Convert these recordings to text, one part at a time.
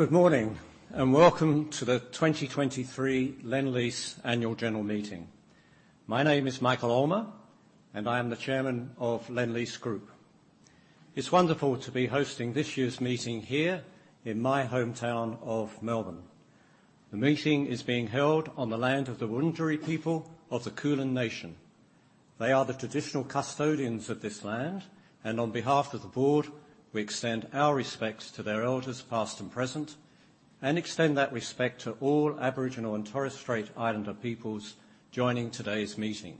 Good morning, and welcome to the 2023 Lendlease Annual General Meeting. My name is Michael Ullmer, and I am the Chairman of Lendlease Group. It's wonderful to be hosting this year's meeting here in my hometown of Melbourne. The meeting is being held on the land of the Wurundjeri people of the Kulin Nation. They are the traditional custodians of this land, and on behalf of the board, we extend our respects to their elders, past and present, and extend that respect to all Aboriginal and Torres Strait Islander peoples joining today's meeting.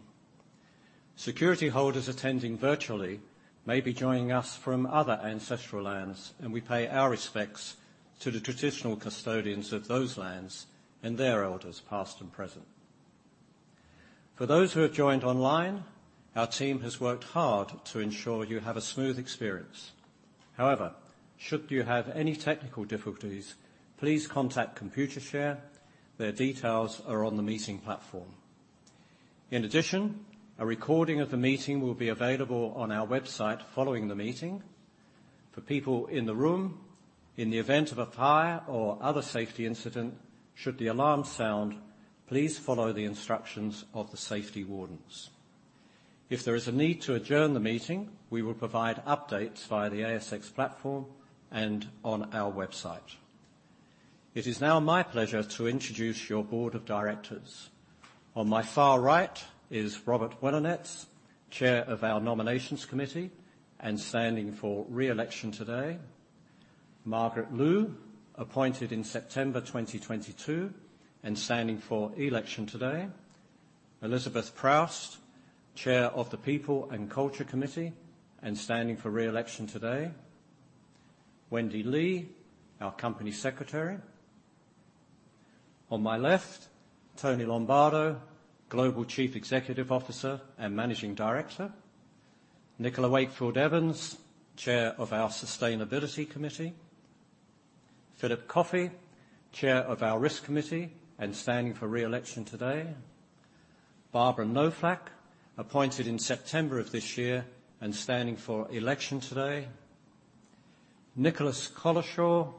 Security holders attending virtually may be joining us from other ancestral lands, and we pay our respects to the traditional custodians of those lands and their elders, past and present. For those who have joined online, our team has worked hard to ensure you have a smooth experience. However, should you have any technical difficulties, please contact Computershare. Their details are on the meeting platform. In addition, a recording of the meeting will be available on our website following the meeting. For people in the room, in the event of a fire or other safety incident, should the alarm sound, please follow the instructions of the safety wardens. If there is a need to adjourn the meeting, we will provide updates via the ASX platform and on our website. It is now my pleasure to introduce your board of directors. On my far right is Robert Welanetz, Chair of the Nominations Committee and standing for re-election today. Margaret Lui, appointed in September 2022 and standing for election today. Elizabeth Proust, Chair of the People and Culture Committee, and standing for re-election today. Wendy Lee, our company secretary. On my left, Tony Lombardo, Global Chief Executive Officer and Managing Director. Nicola Wakefield Evans, chair of our Sustainability Committee. Philip Coffey, chair of our Risk Committee and standing for re-election today. Barbara Knoflach, appointed in September of this year and standing for election today. Nicholas Collishaw,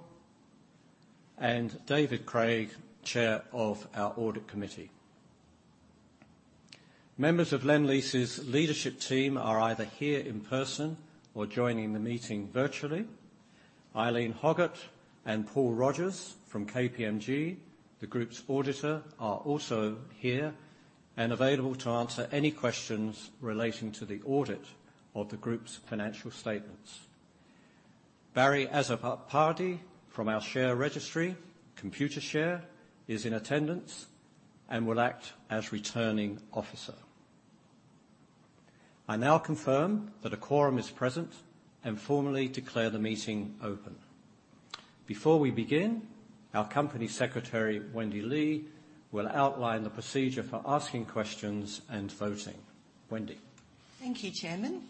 and David Craig, chair of our Audit Committee. Members of Lendlease's leadership team are either here in person or joining the meeting virtually. Eileen Hoggett and Paul Rogers from KPMG, the group's auditor, are also here and available to answer any questions relating to the audit of the group's financial statements. Barry Azzopardi from our share registry, Computershare, is in attendance and will act as Returning Officer. I now confirm that a quorum is present and formally declare the meeting open. Before we begin, our company secretary, Wendy Lee, will outline the procedure for asking questions and voting. Wendy? Thank you, Chairman.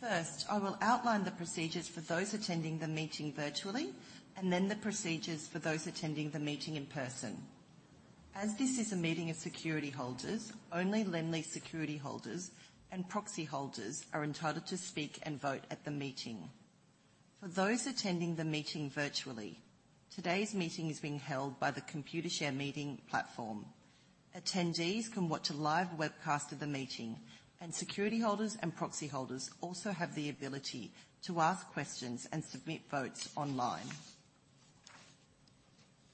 First, I will outline the procedures for those attending the meeting virtually, and then the procedures for those attending the meeting in person. As this is a meeting of security holders, only Lendlease security holders and proxy holders are entitled to speak and vote at the meeting. For those attending the meeting virtually, today's meeting is being held by the Computershare meeting platform. Attendees can watch a live webcast of the meeting, and security holders and proxy holders also have the ability to ask questions and submit votes online.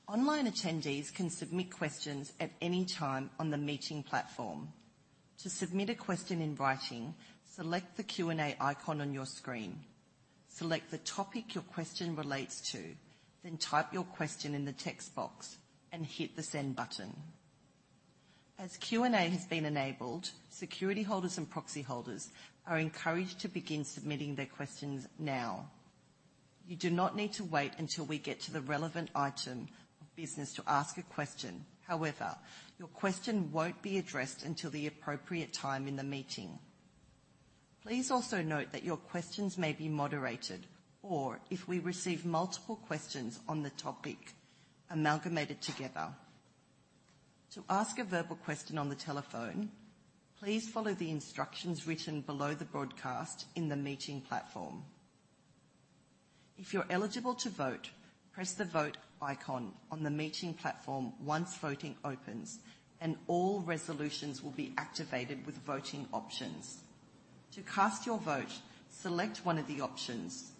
Online attendees can submit questions at any time on the meeting platform. To submit a question in writing, select the Q&A icon on your screen. Select the topic your question relates to, then type your question in the text box and hit the Send button. As Q&A has been enabled, security holders and proxy holders are encouraged to begin submitting their questions now. You do not need to wait until we get to the relevant item of business to ask a question. However, your question won't be addressed until the appropriate time in the meeting. Please also note that your questions may be moderated, or if we receive multiple questions on the topic, amalgamated together. To ask a verbal question on the telephone, please follow the instructions written below the broadcast in the meeting platform. If you're eligible to vote, press the Vote icon on the meeting platform once voting opens, and all resolutions will be activated with voting options. To cast your vote, select one of the options.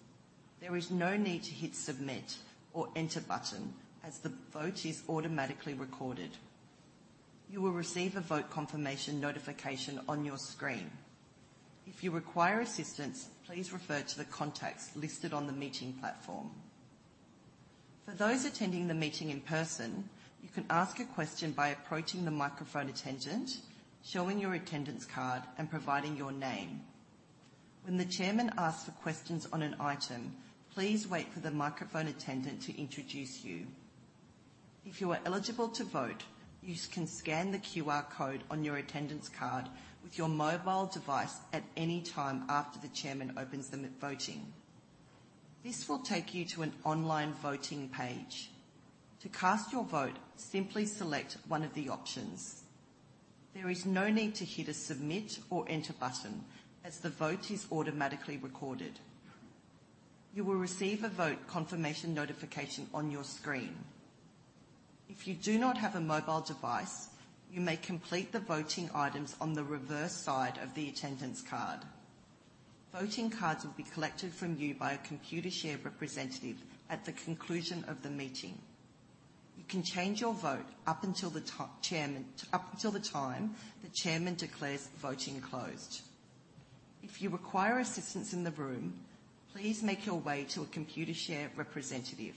There is no need to hit Submit or Enter button, as the vote is automatically recorded. You will receive a vote confirmation notification on your screen. If you require assistance, please refer to the contacts listed on the meeting platform. For those attending the meeting in person, you can ask a question by approaching the microphone attendant, showing your attendance card, and providing your name. When the chairman asks for questions on an item, please wait for the microphone attendant to introduce you. If you are eligible to vote, you can scan the QR code on your attendance card with your mobile device at any time after the chairman opens the voting. This will take you to an online voting page. To cast your vote, simply select one of the options. There is no need to hit a Submit or Enter button, as the vote is automatically recorded. You will receive a vote confirmation notification on your screen. If you do not have a mobile device, you may complete the voting items on the reverse side of the attendance card. Voting cards will be collected from you by a Computershare representative at the conclusion of the meeting. You can change your vote up until the time the chairman declares voting closed. If you require assistance in the room, please make your way to a Computershare representative.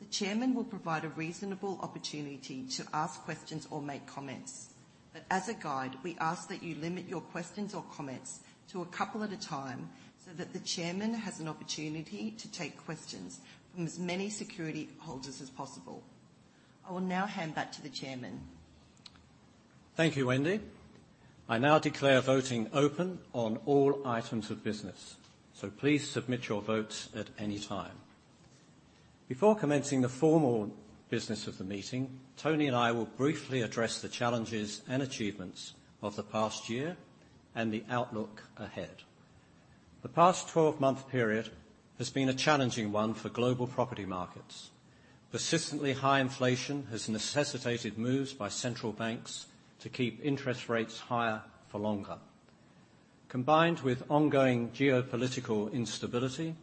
The chairman will provide a reasonable opportunity to ask questions or make comments, but as a guide, we ask that you limit your questions or comments to a couple at a time, so that the chairman has an opportunity to take questions from as many security holders as possible. I will now hand back to the chairman. Thank you, Wendy. I now declare voting open on all items of business, so please submit your votes at any time. Before commencing the formal business of the meeting, Tony and I will briefly address the challenges and achievements of the past year and the outlook ahead. The past 12-month period has been a challenging one for global property markets. Persistently high inflation has necessitated moves by central banks to keep interest rates higher for longer. Combined with ongoing geopolitical instability,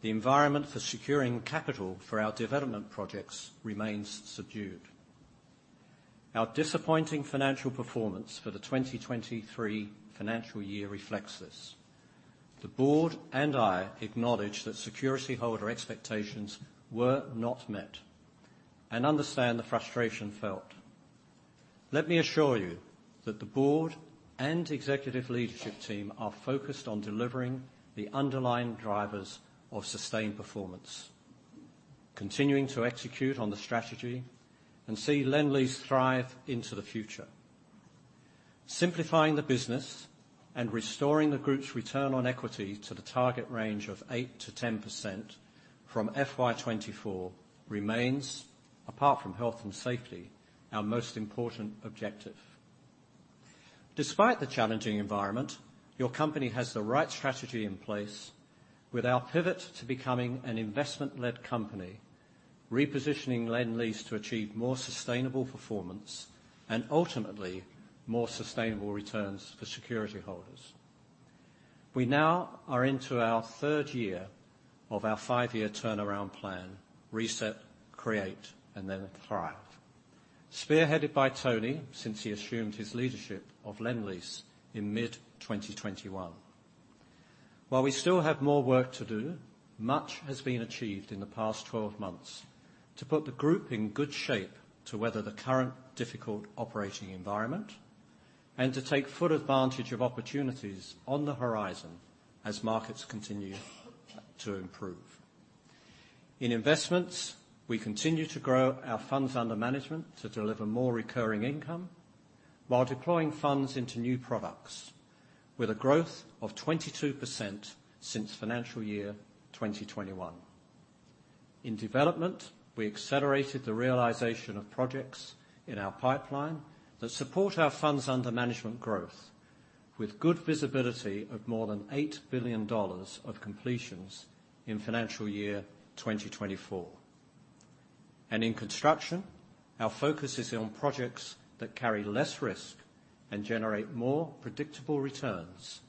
the environment for securing capital for our development projects remains subdued. Our disappointing financial performance for the 2023 financial year reflects this. The board and I acknowledge that security holder expectations were not met and understand the frustration felt. Let me assure you that the board and executive leadership team are focused on delivering the underlying drivers of sustained performance, continuing to execute on the strategy, and see Lendlease thrive into the future. Simplifying the business and restoring the group's return on equity to the target range of 8%-10% from FY 2024 remains, apart from health and safety, our most important objective. Despite the challenging environment, your company has the right strategy in place with our pivot to becoming an investment-led company, repositioning Lendlease to achieve more sustainable performance and ultimately more sustainable returns for security holders. We now are into our third year of our 5-year turnaround plan, Reset, Create, and then Thrive, spearheaded by Tony since he assumed his leadership of Lendlease in mid-2021. While we still have more work to do, much has been achieved in the past twelve months to put the group in good shape to weather the current difficult operating environment and to take full advantage of opportunities on the horizon as markets continue to improve. In investments, we continue to grow our funds under management to deliver more recurring income, while deploying funds into new products with a growth of 22% since financial year 2021. In development, we accelerated the realization of projects in our pipeline that support our funds under management growth, with good visibility of more than 8 billion dollars of completions in financial year 2024. In construction, our focus is on projects that carry less risk and generate more predictable returns,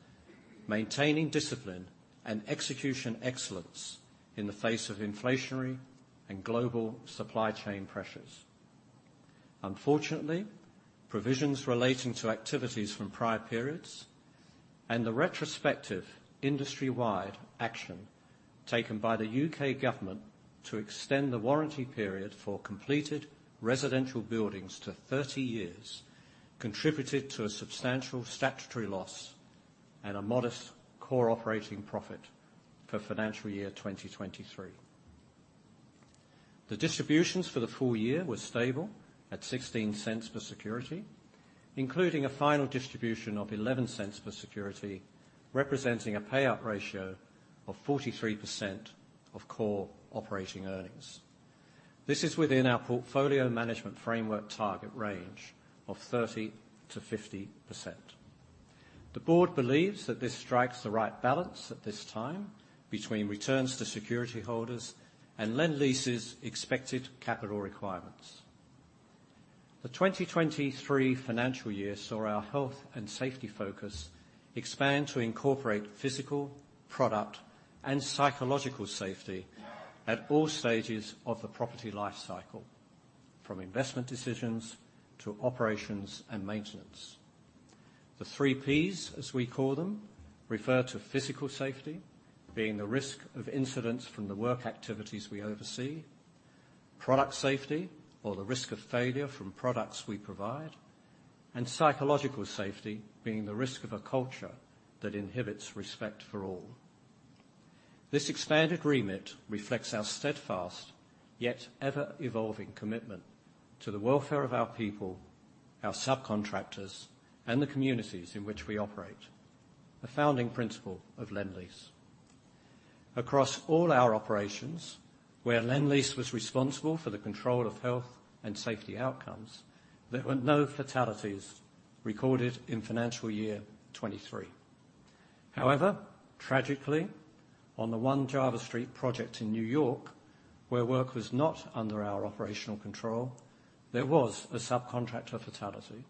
maintaining discipline and execution excellence in the face of inflationary and global supply chain pressures. Unfortunately, provisions relating to activities from prior periods and the retrospective industry-wide action taken by the U.K. government to extend the warranty period for completed residential buildings to 30 years, contributed to a substantial statutory loss and a modest core operating profit for financial year 2023. The distributions for the full year were stable at 0.16 per security, including a final distribution of 0.11 per security, representing a payout ratio of 43% of core operating earnings. This is within our portfolio management framework target range of 30%-50%. The board believes that this strikes the right balance at this time between returns to security holders and Lendlease's expected capital requirements. The 2023 financial year saw our health and safety focus expand to incorporate physical, product, and psychological safety at all stages of the property life cycle, from investment decisions to operations and maintenance. The three Ps, as we call them, refer to physical safety, being the risk of incidents from the work activities we oversee, product safety, or the risk of failure from products we provide, and psychological safety, being the risk of a culture that inhibits respect for all. This expanded remit reflects our steadfast, yet ever-evolving commitment to the welfare of our people, our subcontractors, and the communities in which we operate, the founding principle of Lendlease... Across all our operations, where Lendlease was responsible for the control of health and safety outcomes, there were no fatalities recorded in financial year 2023. However, tragically, on the One Java Street project in New York, where work was not under our operational control, there was a subcontractor fatality.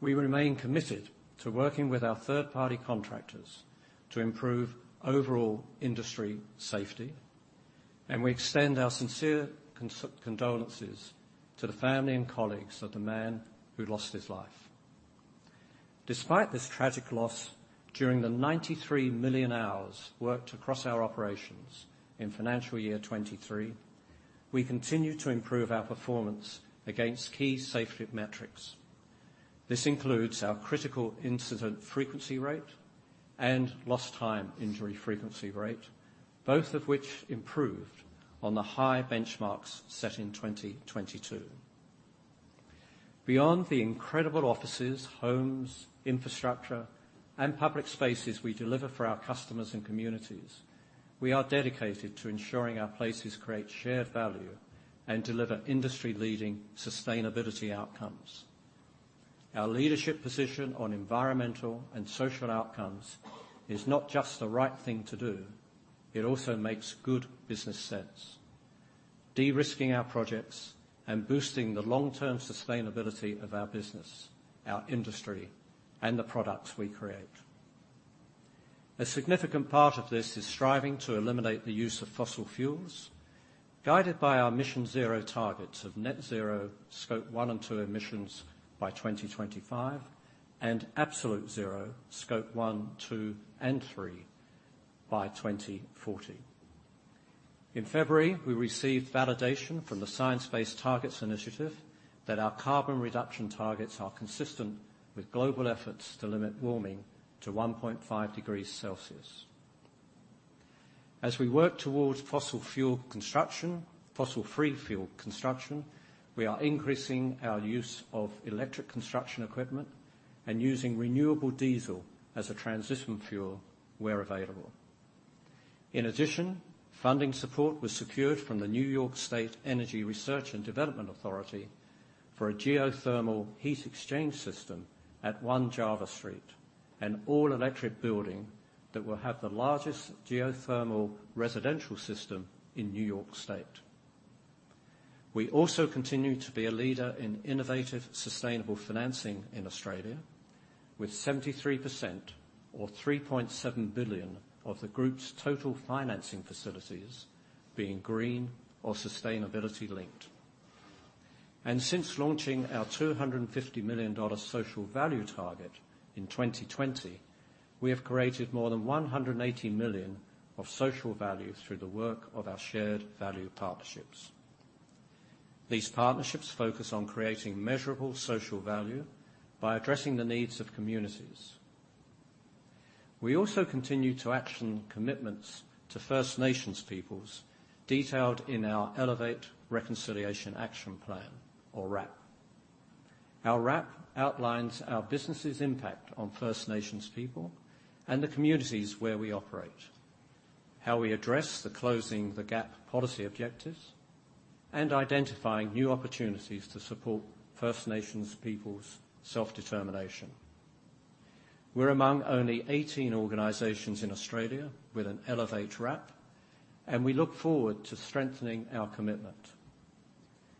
We remain committed to working with our third-party contractors to improve overall industry safety, and we extend our sincere condolences to the family and colleagues of the man who lost his life. Despite this tragic loss, during the 93 million hours worked across our operations in financial year 2023, we continued to improve our performance against key safety metrics. This includes our critical incident frequency rate and lost time injury frequency rate, both of which improved on the high benchmarks set in 2022. Beyond the incredible offices, homes, infrastructure, and public spaces we deliver for our customers and communities, we are dedicated to ensuring our places create shared value and deliver industry-leading sustainability outcomes. Our leadership position on environmental and social outcomes is not just the right thing to do, it also makes good business sense, de-risking our projects and boosting the long-term sustainability of our business, our industry, and the products we create. A significant part of this is striving to eliminate the use of fossil fuels, guided by our Mission Zero targets of net zero Scope one and two emissions by 2025, and absolute zero, Scope one, two, and three by 2040. In February, we received validation from the Science Based Targets initiative that our carbon reduction targets are consistent with global efforts to limit warming to 1.5 degrees Celsius. As we work towards fossil fuel construction, fossil-free fuel construction, we are increasing our use of electric construction equipment and using renewable diesel as a transition fuel where available. In addition, funding support was secured from the New York State Energy Research and Development Authority for a geothermal heat exchange system at One Java Street, an all-electric building that will have the largest geothermal residential system in New York State. We also continue to be a leader in innovative, sustainable financing in Australia, with 73%, or 3.7 billion, of the group's total financing facilities being green or sustainability-linked. And since launching our 250 million dollar social value target in 2020, we have created more than 180 million of social value through the work of our shared value partnerships. These partnerships focus on creating measurable social value by addressing the needs of communities. We also continue to action commitments to First Nations peoples, detailed in our Elevate Reconciliation Action Plan, or RAP. Our RAP outlines our business's impact on First Nations people and the communities where we operate, how we address the Closing the Gap policy objectives, and identifying new opportunities to support First Nations peoples' self-determination. We're among only 18 organizations in Australia with an Elevate RAP, and we look forward to strengthening our commitment.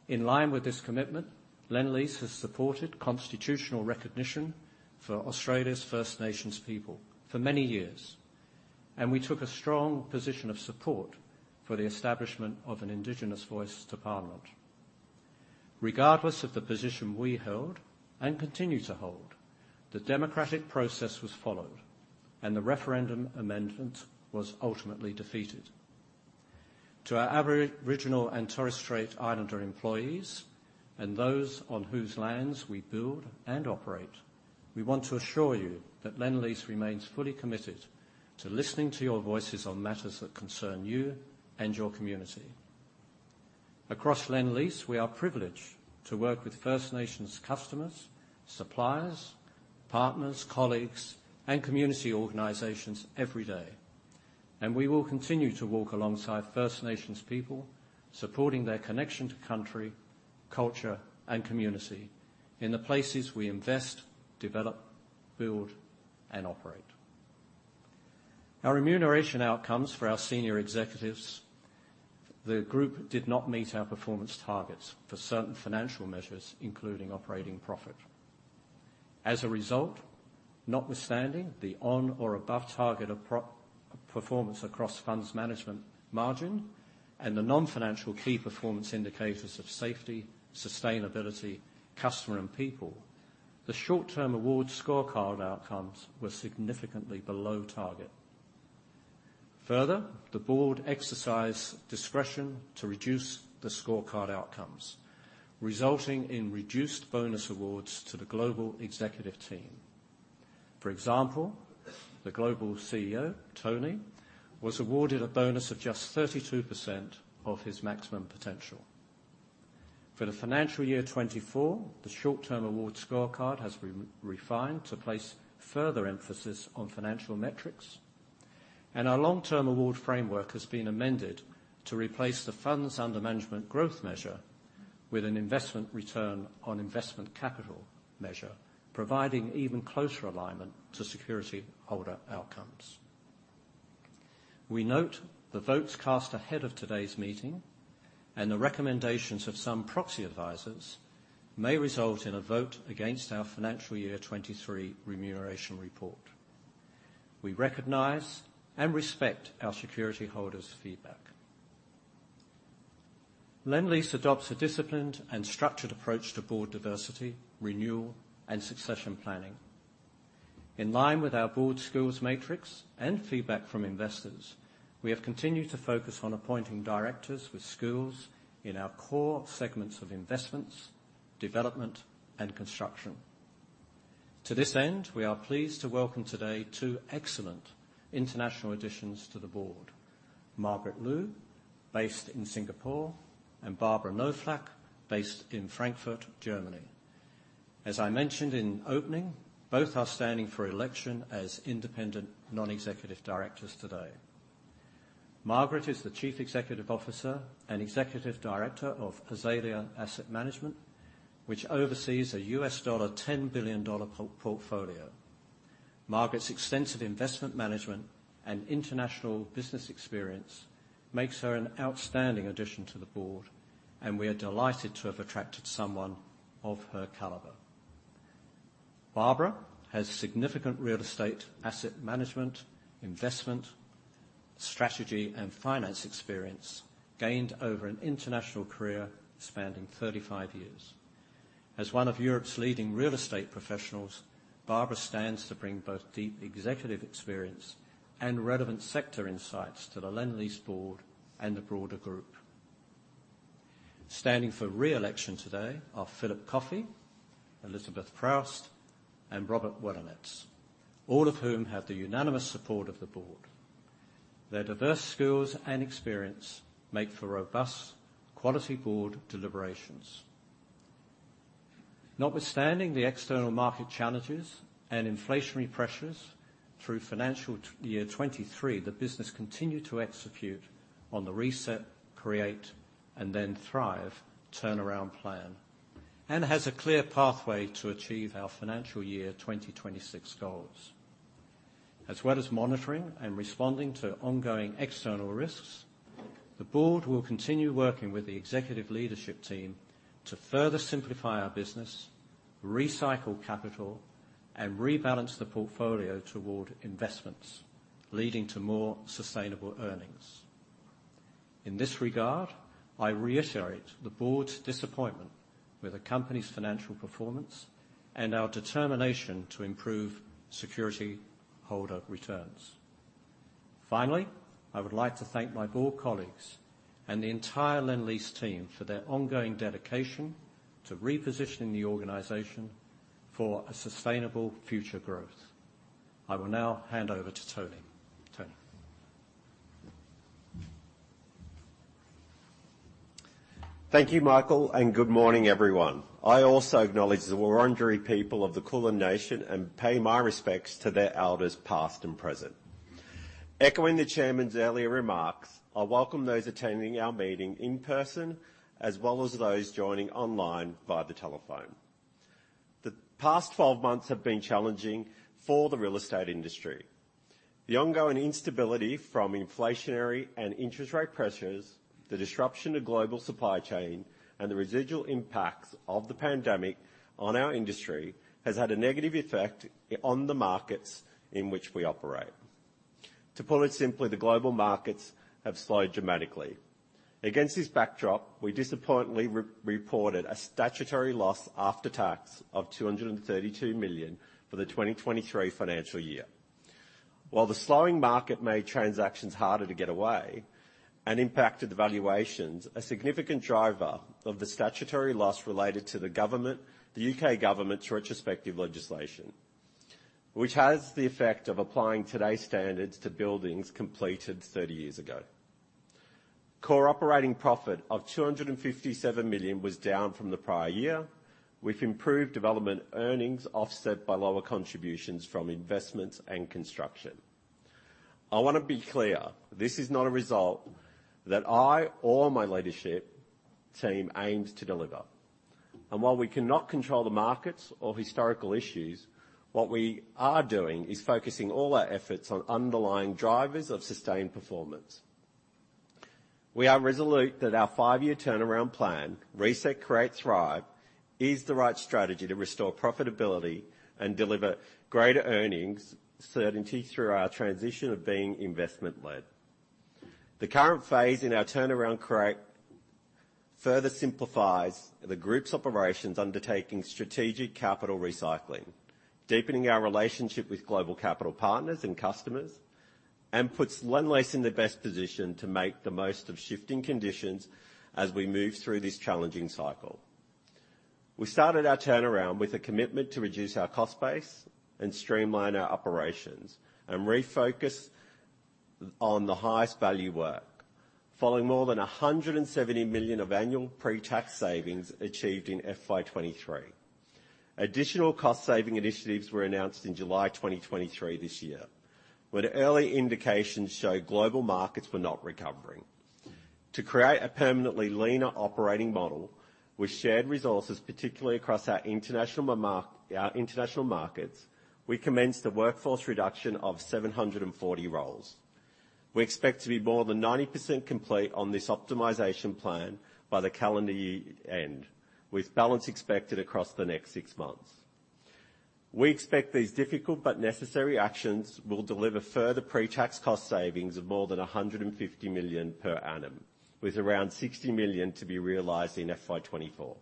In line with this commitment, Lendlease has supported constitutional recognition for Australia's First Nations people for many years, and we took a strong position of support for the establishment of an Indigenous Voice to Parliament. Regardless of the position we held, and continue to hold, the democratic process was followed, and the referendum amendment was ultimately defeated. To our Aboriginal and Torres Strait Islander employees, and those on whose lands we build and operate, we want to assure you that Lendlease remains fully committed to listening to your voices on matters that concern you and your community. Across Lendlease, we are privileged to work with First Nations customers, suppliers, partners, colleagues, and community organizations every day, and we will continue to walk alongside First Nations people, supporting their connection to country, culture, and community in the places we invest, develop, build, and operate. Our remuneration outcomes for our senior executives. The group did not meet our performance targets for certain financial measures, including operating profit. As a result, notwithstanding the on or above target of performance across funds management margin and the non-financial key performance indicators of safety, sustainability, customer, and people, the short-term award scorecard outcomes were significantly below target. Further, the board exercised discretion to reduce the scorecard outcomes, resulting in reduced bonus awards to the global executive team. For example, the global Chief Executive Officer, Tony, was awarded a bonus of just 32% of his maximum potential... For the financial year 2024, the short-term award scorecard has been refined to place further emphasis on financial metrics, and our long-term award framework has been amended to replace the funds under management growth measure with an investment return on investment capital measure, providing even closer alignment to security holder outcomes. We note the votes cast ahead of today's meeting and the recommendations of some proxy advisors may result in a vote against our financial year 2023 remuneration report. We recognize and respect our security holders' feedback. Lendlease adopts a disciplined and structured approach to board diversity, renewal, and succession planning. In line with our board skills matrix and feedback from investors, we have continued to focus on appointing directors with skills in our core segments of investments, development, and construction. To this end, we are pleased to welcome today two excellent international additions to the board: Margaret Lui, based in Singapore, and Barbara Knoflach, based in Frankfurt, Germany. As I mentioned in opening, both are standing for election as independent non-executive directors today. Margaret is the Chief Executive Officer and Executive Director of Azalea Asset Management, which oversees a $10 billion portfolio. Margaret's extensive investment management and international business experience makes her an outstanding addition to the board, and we are delighted to have attracted someone of her caliber. Barbara has significant real estate asset management, investment, strategy, and finance experience gained over an international career spanning 35 years. As one of Europe's leading real estate professionals, Barbara stands to bring both deep executive experience and relevant sector insights to the Lendlease board and the broader group. Standing for re-election today are Philip Coffey, Elizabeth Proust, and Robert Welanetz, all of whom have the unanimous support of the board. Their diverse skills and experience make for robust, quality board deliberations. Notwithstanding the external market challenges and inflationary pressures, through financial year 2023, the business continued to execute on the reset, create, and then thrive turnaround plan, and has a clear pathway to achieve our financial year 2026 goals. As well as monitoring and responding to ongoing external risks, the board will continue working with the executive leadership team to further simplify our business, recycle capital, and rebalance the portfolio toward investments, leading to more sustainable earnings. In this regard, I reiterate the board's disappointment with the company's financial performance and our determination to improve security holder returns. Finally, I would like to thank my board colleagues and the entire Lendlease team for their ongoing dedication to repositioning the organization for a sustainable future growth. I will now hand over to Tony. Tony? Thank you, Michael, and good morning, everyone. I also acknowledge the Wurundjeri people of the Kulin Nation and pay my respects to their elders, past and present. Echoing the chairman's earlier remarks, I welcome those attending our meeting in person, as well as those joining online via the telephone. The past 12 months have been challenging for the real estate industry. The ongoing instability from inflationary and interest rate pressures, the disruption to global supply chain, and the residual impacts of the pandemic on our industry, has had a negative effect on the markets in which we operate. To put it simply, the global markets have slowed dramatically. Against this backdrop, we disappointingly re-reported a statutory loss after tax of 232 million for the 2023 financial year. While the slowing market made transactions harder to get away and impacted the valuations, a significant driver of the statutory loss related to the government, the UK government's retrospective legislation, which has the effect of applying today's standards to buildings completed 30 years ago. Core operating profit of 257 million was down from the prior year, with improved development earnings offset by lower contributions from investments and construction. I wanna be clear, this is not a result that I or my leadership team aims to deliver, and while we cannot control the markets or historical issues, what we are doing is focusing all our efforts on underlying drivers of sustained performance. We are resolute that our 5-year turnaround plan, Reset Create Thrive, is the right strategy to restore profitability and deliver greater earnings certainty through our transition of being investment-led. The current phase in our turnaround create further simplifies the group's operations, undertaking strategic capital recycling, deepening our relationship with global capital partners and customers, and puts Lendlease in the best position to make the most of shifting conditions as we move through this challenging cycle. We started our turnaround with a commitment to reduce our cost base and streamline our operations, and refocus on the highest value work. Following more than 170 million of annual pre-tax savings achieved in FY 2023. Additional cost-saving initiatives were announced in July 2023 this year, when early indications showed global markets were not recovering. To create a permanently leaner operating model with shared resources, particularly across our international markets, we commenced a workforce reduction of 740 roles. We expect to be more than 90% complete on this optimization plan by the calendar year end, with balance expected across the next six months. We expect these difficult but necessary actions will deliver further pre-tax cost savings of more than 150 million per annum, with around 60 million to be realized in FY 2024.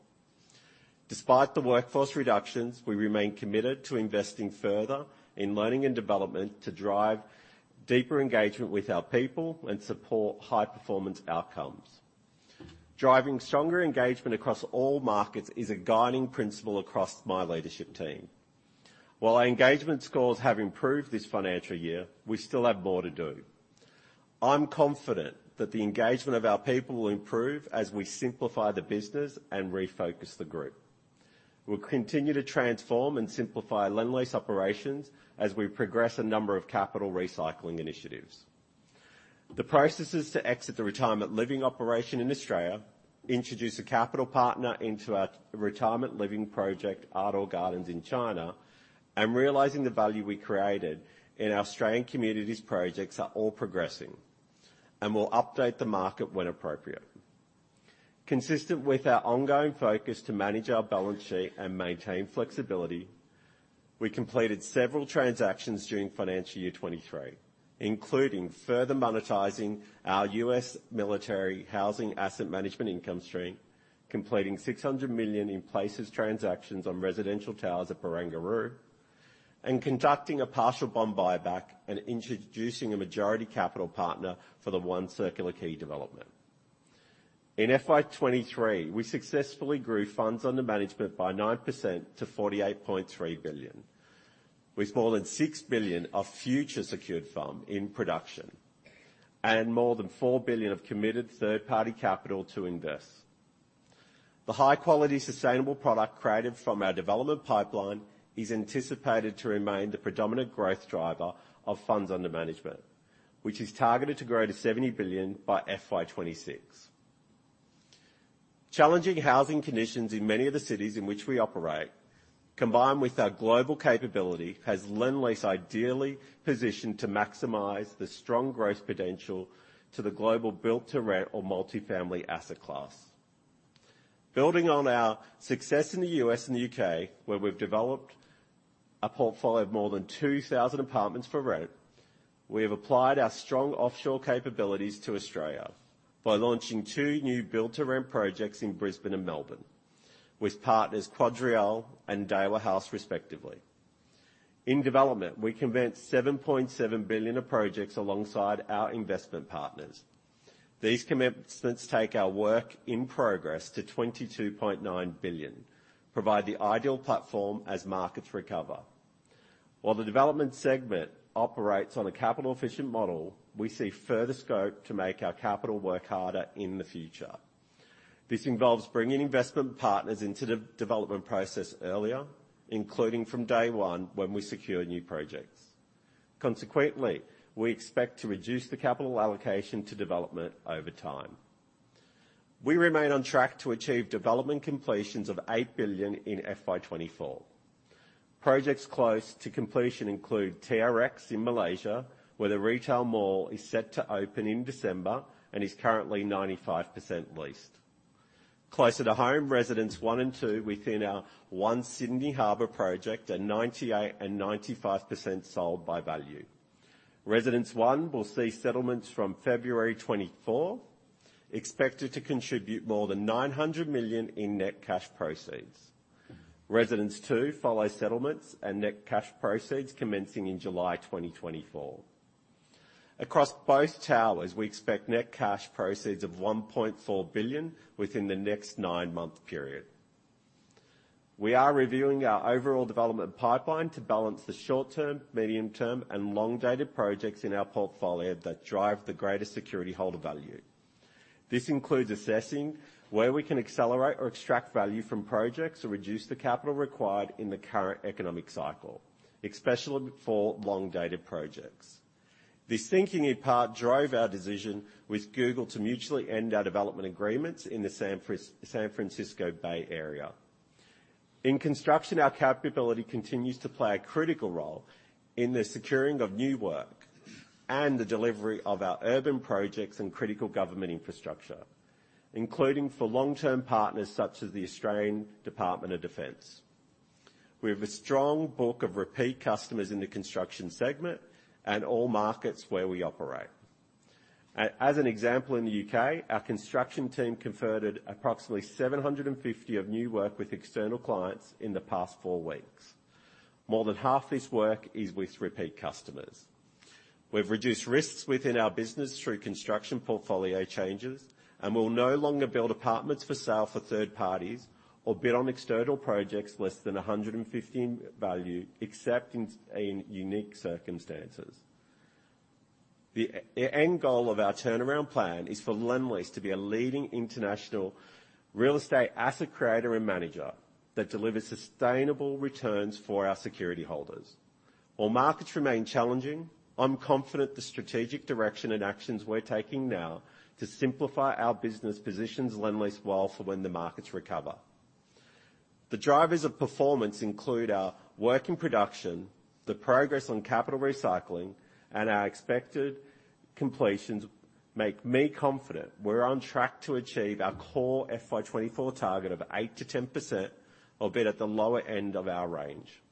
Despite the workforce reductions, we remain committed to investing further in learning and development to drive deeper engagement with our people and support high performance outcomes. Driving stronger engagement across all markets is a guiding principle across my leadership team. While our engagement scores have improved this financial year, we still have more to do. I'm confident that the engagement of our people will improve as we simplify the business and refocus the group. We'll continue to transform and simplify Lendlease operations as we progress a number of capital recycling initiatives. The processes to exit the retirement living operation in Australia introduce a capital partner into our retirement living project, Ardor Gardens in China, and realizing the value we created in our Australian communities projects are all progressing, and we'll update the market when appropriate. Consistent with our ongoing focus to manage our balance sheet and maintain flexibility, we completed several transactions during financial year 2023, including further monetizing our US Military Housing asset management income stream, completing 600 million in places transactions on residential towers at Barangaroo, and conducting a partial bond buyback and introducing a majority capital partner for the One Circular Quay development. In FY 2023, we successfully grew funds under management by 9% to 48.3 billion, with more than 6 billion of future secured fund in production and more than 4 billion of committed third-party capital to invest. The high-quality, sustainable product created from our development pipeline is anticipated to remain the predominant growth driver of funds under management, which is targeted to grow to AUD 70 billion by FY 2026. Challenging housing conditions in many of the cities in which we operate, combined with our global capability, has Lendlease ideally positioned to maximize the strong growth potential to the global built-to-rent or multifamily asset class. Building on our success in the U.S. and the U.K., where we've developed a portfolio of more than 2,000 apartments for rent, we have applied our strong offshore capabilities to Australia by launching two new build-to-rent projects in Brisbane and Melbourne, with partners QuadReal and Daiwa House, respectively. In development, we commenced 7.7 billion of projects alongside our investment partners. These commitments take our work in progress to 22.9 billion, provide the ideal platform as markets recover. While the development segment operates on a capital-efficient model, we see further scope to make our capital work harder in the future. This involves bringing investment partners into the development process earlier, including from day one, when we secure new projects. Consequently, we expect to reduce the capital allocation to development over time. We remain on track to achieve development completions of 8 billion in FY 2024. Projects close to completion include TRX in Malaysia, where the retail mall is set to open in December and is currently 95% leased. Closer to home, Residences One and Two within our One Sydney Harbour project are 98% and 95% sold by value. Residences One will see settlements from February 2024, expected to contribute more than 900 million in net cash proceeds. Residences Two follow settlements and net cash proceeds commencing in July 2024. Across both towers, we expect net cash proceeds of AUD 1.4 billion within the next 9-month period. We are reviewing our overall development pipeline to balance the short-term, medium-term, and long-dated projects in our portfolio that drive the greatest security holder value. This includes assessing where we can accelerate or extract value from projects or reduce the capital required in the current economic cycle, especially for long-dated projects. This thinking in part drove our decision with Google to mutually end our development agreements in the San Francisco Bay Area. In construction, our capability continues to play a critical role in the securing of new work and the delivery of our urban projects and critical government infrastructure, including for long-term partners such as the Australian Department of Defense. We have a strong book of repeat customers in the construction segment and all markets where we operate. As an example, in the U.K., our construction team converted approximately 750 of new work with external clients in the past four weeks. More than half this work is with repeat customers. We've reduced risks within our business through construction portfolio changes, and we'll no longer build apartments for sale for third parties or bid on external projects less than 150 in value, except in unique circumstances. The end goal of our turnaround plan is for Lendlease to be a leading international real estate asset creator and manager that delivers sustainable returns for our security holders. While markets remain challenging, I'm confident the strategic direction and actions we're taking now to simplify our business positions Lendlease well for when the markets recover. The drivers of performance include our work in production, the progress on capital recycling, and our expected completions make me confident we're on track to achieve our core FY 2024 target of 8%-10%, albeit at the lower end of our range.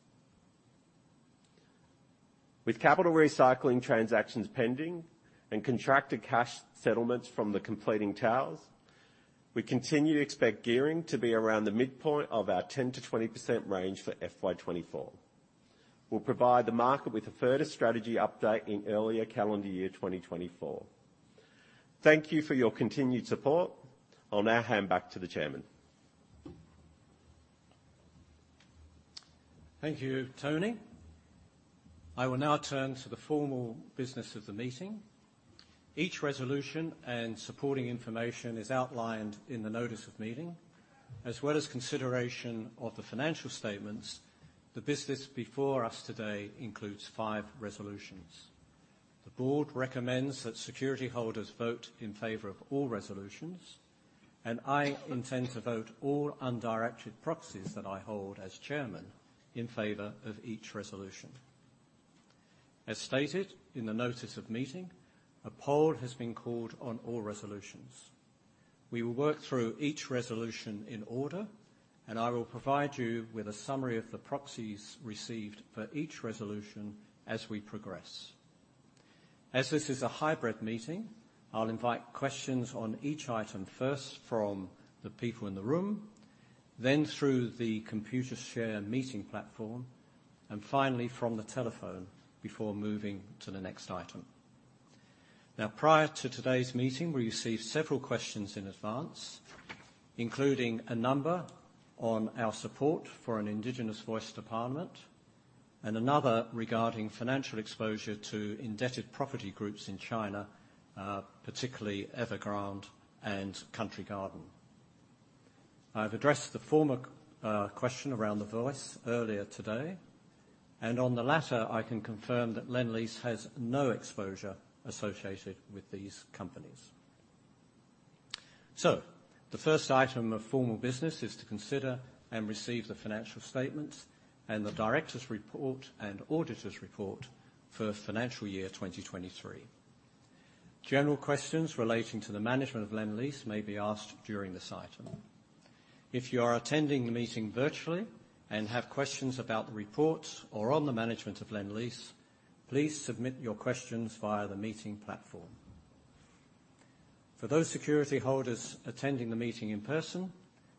With capital recycling transactions pending and contracted cash settlements from the completing towers, we continue to expect gearing to be around the midpoint of our 10%-20% range for FY 2024. We'll provide the market with a further strategy update in earlier calendar year 2024. Thank you for your continued support. I'll now hand back to the chairman. Thank you, Tony. I will now turn to the formal business of the meeting. Each resolution and supporting information is outlined in the notice of meeting, as well as consideration of the financial statements. The business before us today includes five resolutions. The board recommends that security holders vote in favor of all resolutions, and I intend to vote all undirected proxies that I hold as chairman in favor of each resolution. As stated in the notice of meeting, a poll has been called on all resolutions. We will work through each resolution in order, and I will provide you with a summary of the proxies received for each resolution as we progress. As this is a hybrid meeting, I'll invite questions on each item, first from the people in the room, then through the Computershare meeting platform, and finally from the telephone, before moving to the next item. Now, prior to today's meeting, we received several questions in advance, including a number on our support for an Indigenous Voice to Parliament and another regarding financial exposure to indebted property groups in China, particularly Evergrande and Country Garden. I've addressed the former question around the voice earlier today, and on the latter, I can confirm that Lendlease has no exposure associated with these companies. So the first item of formal business is to consider and receive the financial statements and the directors' report and auditors' report for financial year 2023. General questions relating to the management of Lendlease may be asked during this item. If you are attending the meeting virtually and have questions about the reports or on the management of Lendlease, please submit your questions via the meeting platform. For those security holders attending the meeting in person,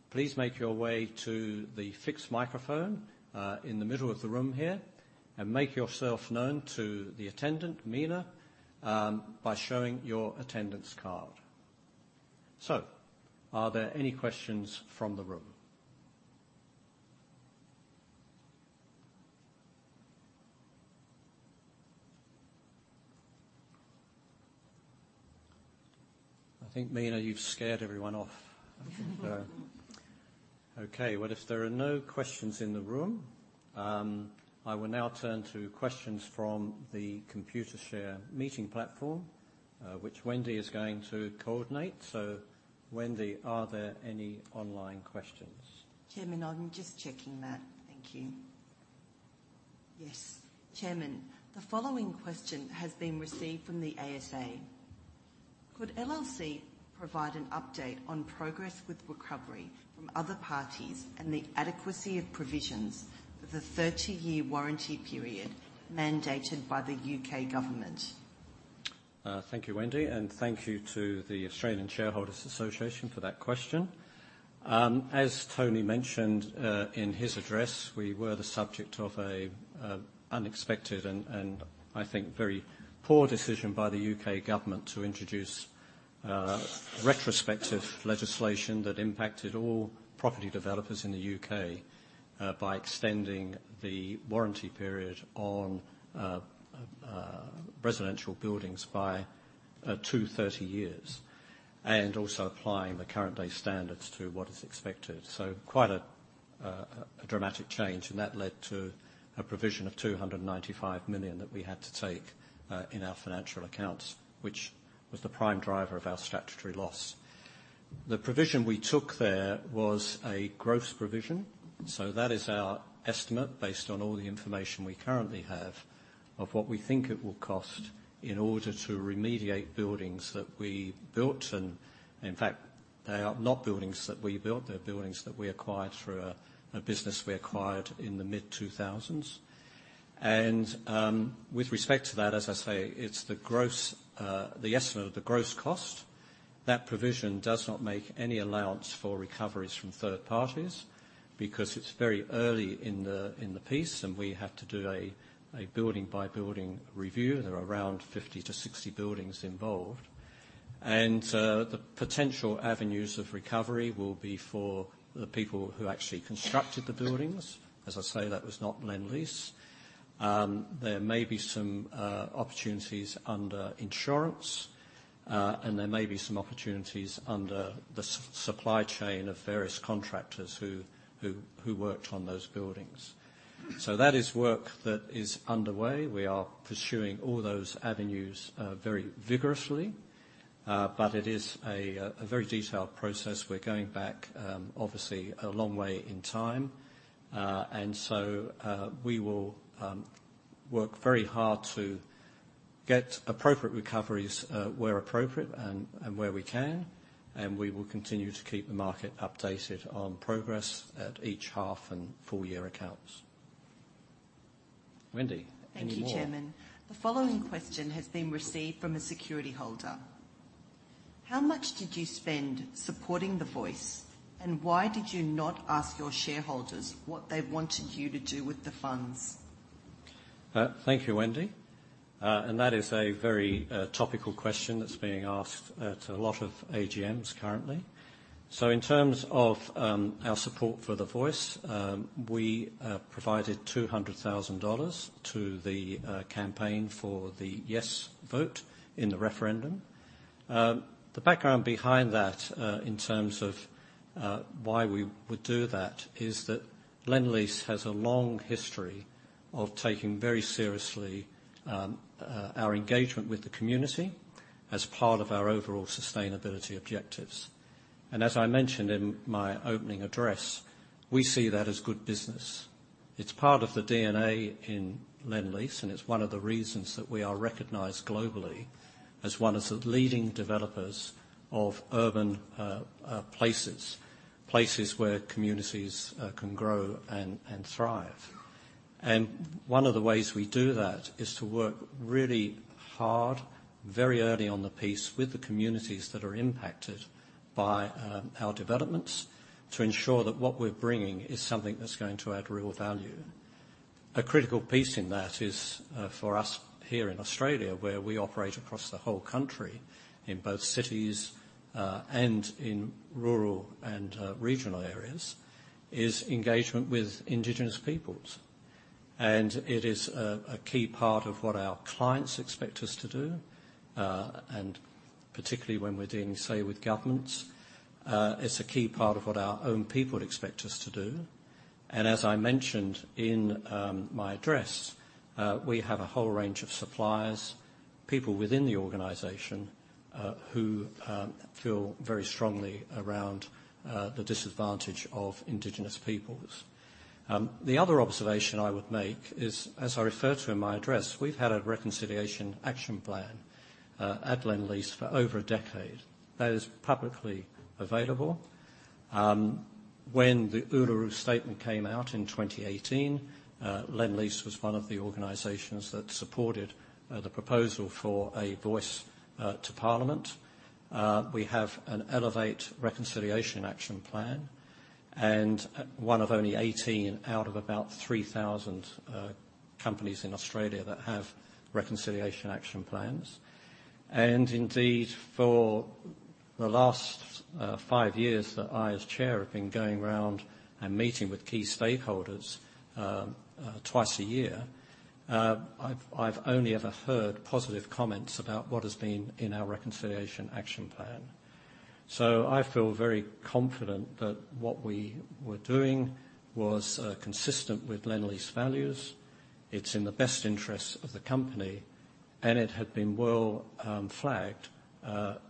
please make your way to the fixed microphone, in the middle of the room here, and make yourself known to the attendant, Mina, by showing your attendance card. So are there any questions from the room? I think, Mina, you've scared everyone off. Okay, well, if there are no questions in the room, I will now turn to questions from the Computershare meeting platform, which Wendy is going to coordinate. So Wendy, are there any online questions? Chairman, I'm just checking that. Thank you. Yes, Chairman, the following question has been received from the ASA: Could Lendlease provide an update on progress with recovery from other parties and the adequacy of provisions for the 30-year warranty period mandated by the U.K. government? Thank you, Wendy, and thank you to the Australian Shareholders' Association for that question. As Tony mentioned in his address, we were the subject of an unexpected and, I think, very poor decision by the U.K. government to introduce retrospective legislation that impacted all property developers in the U.K. by extending the warranty period on residential buildings by 30 years, and also applying the current-day standards to what is expected. So quite a dramatic change, and that led to a provision of 295 million that we had to take in our financial accounts, which was the prime driver of our statutory loss. The provision we took there was a gross provision, so that is our estimate, based on all the information we currently have, of what we think it will cost in order to remediate buildings that we built. And in fact, they are not buildings that we built, they're buildings that we acquired through a business we acquired in the mid-2000s. And with respect to that, as I say, it's the estimate of the gross cost. That provision does not make any allowance for recoveries from third parties, because it's very early in the piece, and we have to do a building-by-building review. There are around 50-60 buildings involved. And the potential avenues of recovery will be for the people who actually constructed the buildings. As I say, that was not Lendlease. There may be some opportunities under insurance, and there may be some opportunities under the supply chain of various contractors who worked on those buildings. So that is work that is underway. We are pursuing all those avenues very vigorously, but it is a very detailed process. We're going back, obviously, a long way in time, and so we will work very hard to get appropriate recoveries where appropriate and where we can, and we will continue to keep the market updated on progress at each half and full year accounts. Wendy, any more? Thank you, Chairman. The following question has been received from a security holder: How much did you spend supporting the Voice, and why did you not ask your shareholders what they wanted you to do with the funds? Thank you, Wendy. And that is a very topical question that's being asked at a lot of AGMs currently. So in terms of our support for the Voice, we provided 200,000 dollars to the campaign for the yes vote in the referendum. The background behind that, in terms of why we would do that, is that Lendlease has a long history of taking very seriously our engagement with the community as part of our overall sustainability objectives. And as I mentioned in my opening address, we see that as good business. It's part of the DNA in Lendlease, and it's one of the reasons that we are recognized globally as one of the leading developers of urban places, places where communities can grow and thrive. One of the ways we do that is to work really hard, very early on the piece with the communities that are impacted by our developments, to ensure that what we're bringing is something that's going to add real value. A critical piece in that is, for us here in Australia, where we operate across the whole country, in both cities and in rural and regional areas, is engagement with Indigenous peoples. It is a key part of what our clients expect us to do, and particularly when we're dealing, say, with governments. It's a key part of what our own people expect us to do, and as I mentioned in my address, we have a whole range of suppliers, people within the organization who feel very strongly around the disadvantage of Indigenous peoples. The other observation I would make is, as I referred to in my address, we've had a Reconciliation Action Plan at Lendlease for over a decade. That is publicly available. When the Uluru Statement came out in 2018, Lendlease was one of the organizations that supported the proposal for a Voice to Parliament. We have an Elevate Reconciliation Action Plan, and one of only 18 out of about 3,000 companies in Australia that have Reconciliation Action Plans. And indeed, for the last 5 years that I, as Chair, have been going around and meeting with key stakeholders twice a year, I've only ever heard positive comments about what has been in our Reconciliation Action Plan. So I feel very confident that what we were doing was consistent with Lendlease values. It's in the best interest of the company, and it had been well flagged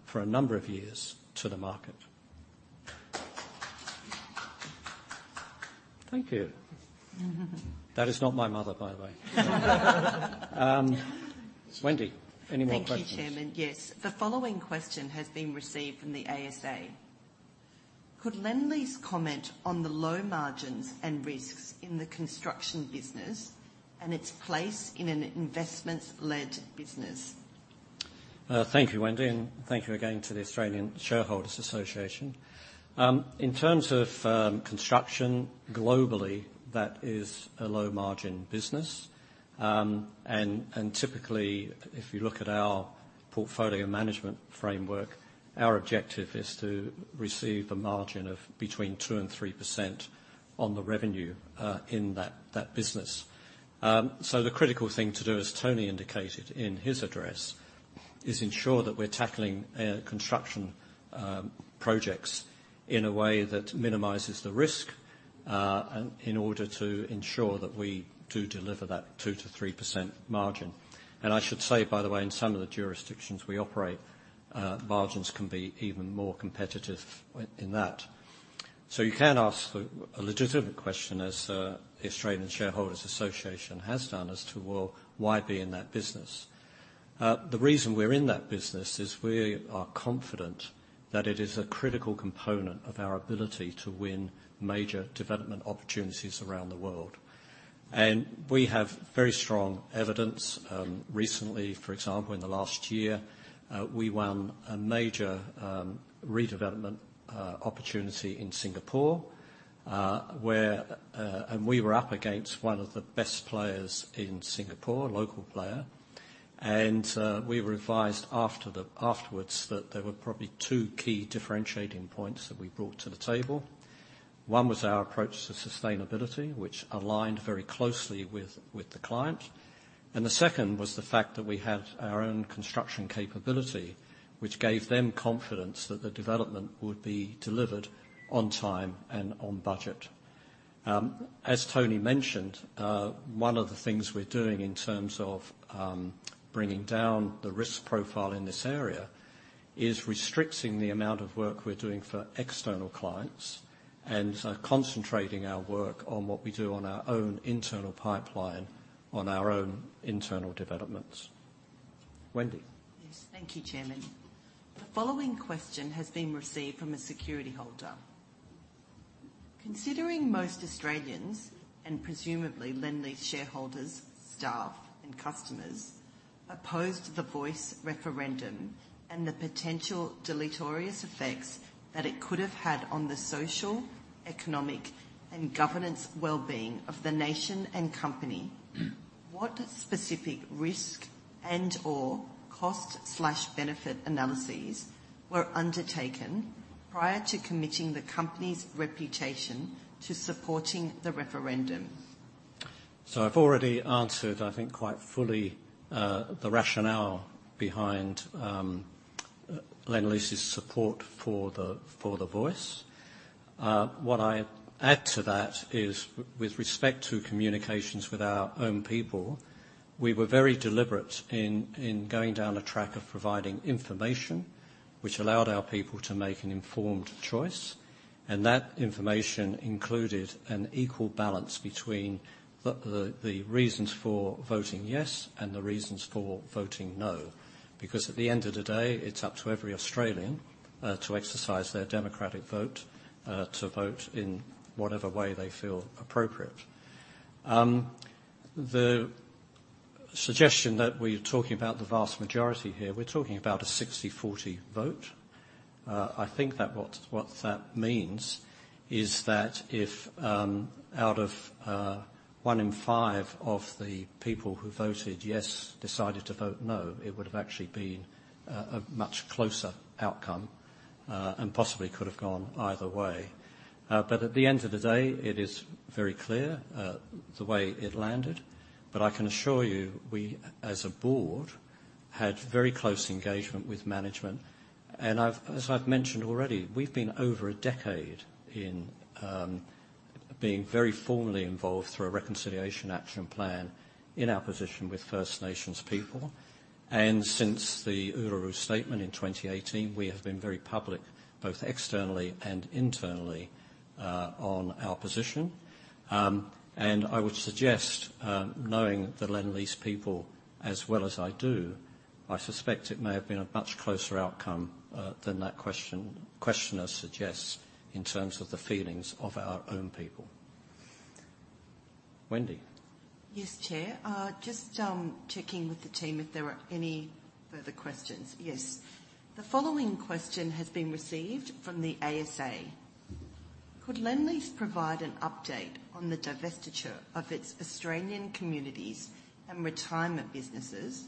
for a number of years to the market. Thank you. That is not my mother, by the way. Wendy, any more questions? Thank you, Chairman. Yes. The following question has been received from the ASA: Could Lendlease comment on the low margins and risks in the construction business, and its place in an investments-led business? Thank you, Wendy, and thank you again to the Australian Shareholders' Association. In terms of construction, globally, that is a low-margin business. Typically, if you look at our portfolio management framework, our objective is to receive a margin of between 2% and 3% on the revenue in that business. So the critical thing to do, as Tony indicated in his address, is ensure that we're tackling construction projects in a way that minimizes the risk and in order to ensure that we do deliver that 2%-3% margin. And I should say, by the way, in some of the jurisdictions we operate, margins can be even more competitive in that. So you can ask a legitimate question, as the Australian Shareholders' Association has done, as to, well, why be in that business? The reason we're in that business is we are confident that it is a critical component of our ability to win major development opportunities around the world... We have very strong evidence. Recently, for example, in the last year, we won a major redevelopment opportunity in Singapore, where and we were up against one of the best players in Singapore, a local player. We realized afterwards that there were probably two key differentiating points that we brought to the table. One was our approach to sustainability, which aligned very closely with, with the client, and the second was the fact that we had our own construction capability, which gave them confidence that the development would be delivered on time and on budget. As Tony mentioned, one of the things we're doing in terms of bringing down the risk profile in this area is restricting the amount of work we're doing for external clients and, concentrating our work on what we do on our own internal pipeline, on our own internal developments. Wendy? Yes. Thank you, Chairman. The following question has been received from a security holder: Considering most Australians, and presumably Lendlease shareholders, staff, and customers, opposed the Voice referendum and the potential deleterious effects that it could have had on the social, economic, and governance well-being of the nation and company, what specific risk and/or cost/benefit analyses were undertaken prior to committing the company's reputation to supporting the referendum? So I've already answered, I think, quite fully, the rationale behind Lendlease's support for the, for the Voice. What I add to that is, with respect to communications with our own people, we were very deliberate in going down a track of providing information, which allowed our people to make an informed choice, and that information included an equal balance between the reasons for voting yes and the reasons for voting no. Because at the end of the day, it's up to every Australian to exercise their democratic vote to vote in whatever way they feel appropriate. The suggestion that we're talking about the vast majority here, we're talking about a 60/40 vote. I think that what that means is that if out of one in five of the people who voted yes decided to vote no, it would have actually been a much closer outcome, and possibly could have gone either way. But at the end of the day, it is very clear the way it landed, but I can assure you, we, as a board, had very close engagement with management. And I've... As I've mentioned already, we've been over a decade in being very formally involved through a reconciliation action plan in our position with First Nations people, and since the Uluru Statement in 2018, we have been very public, both externally and internally, on our position. I would suggest, knowing the Lendlease people as well as I do, I suspect it may have been a much closer outcome than that questioner suggests in terms of the feelings of our own people. Wendy? Yes, Chair. Just checking with the team if there are any further questions. Yes. The following question has been received from the ASA: Could Lendlease provide an update on the divestiture of its Australian communities and retirement businesses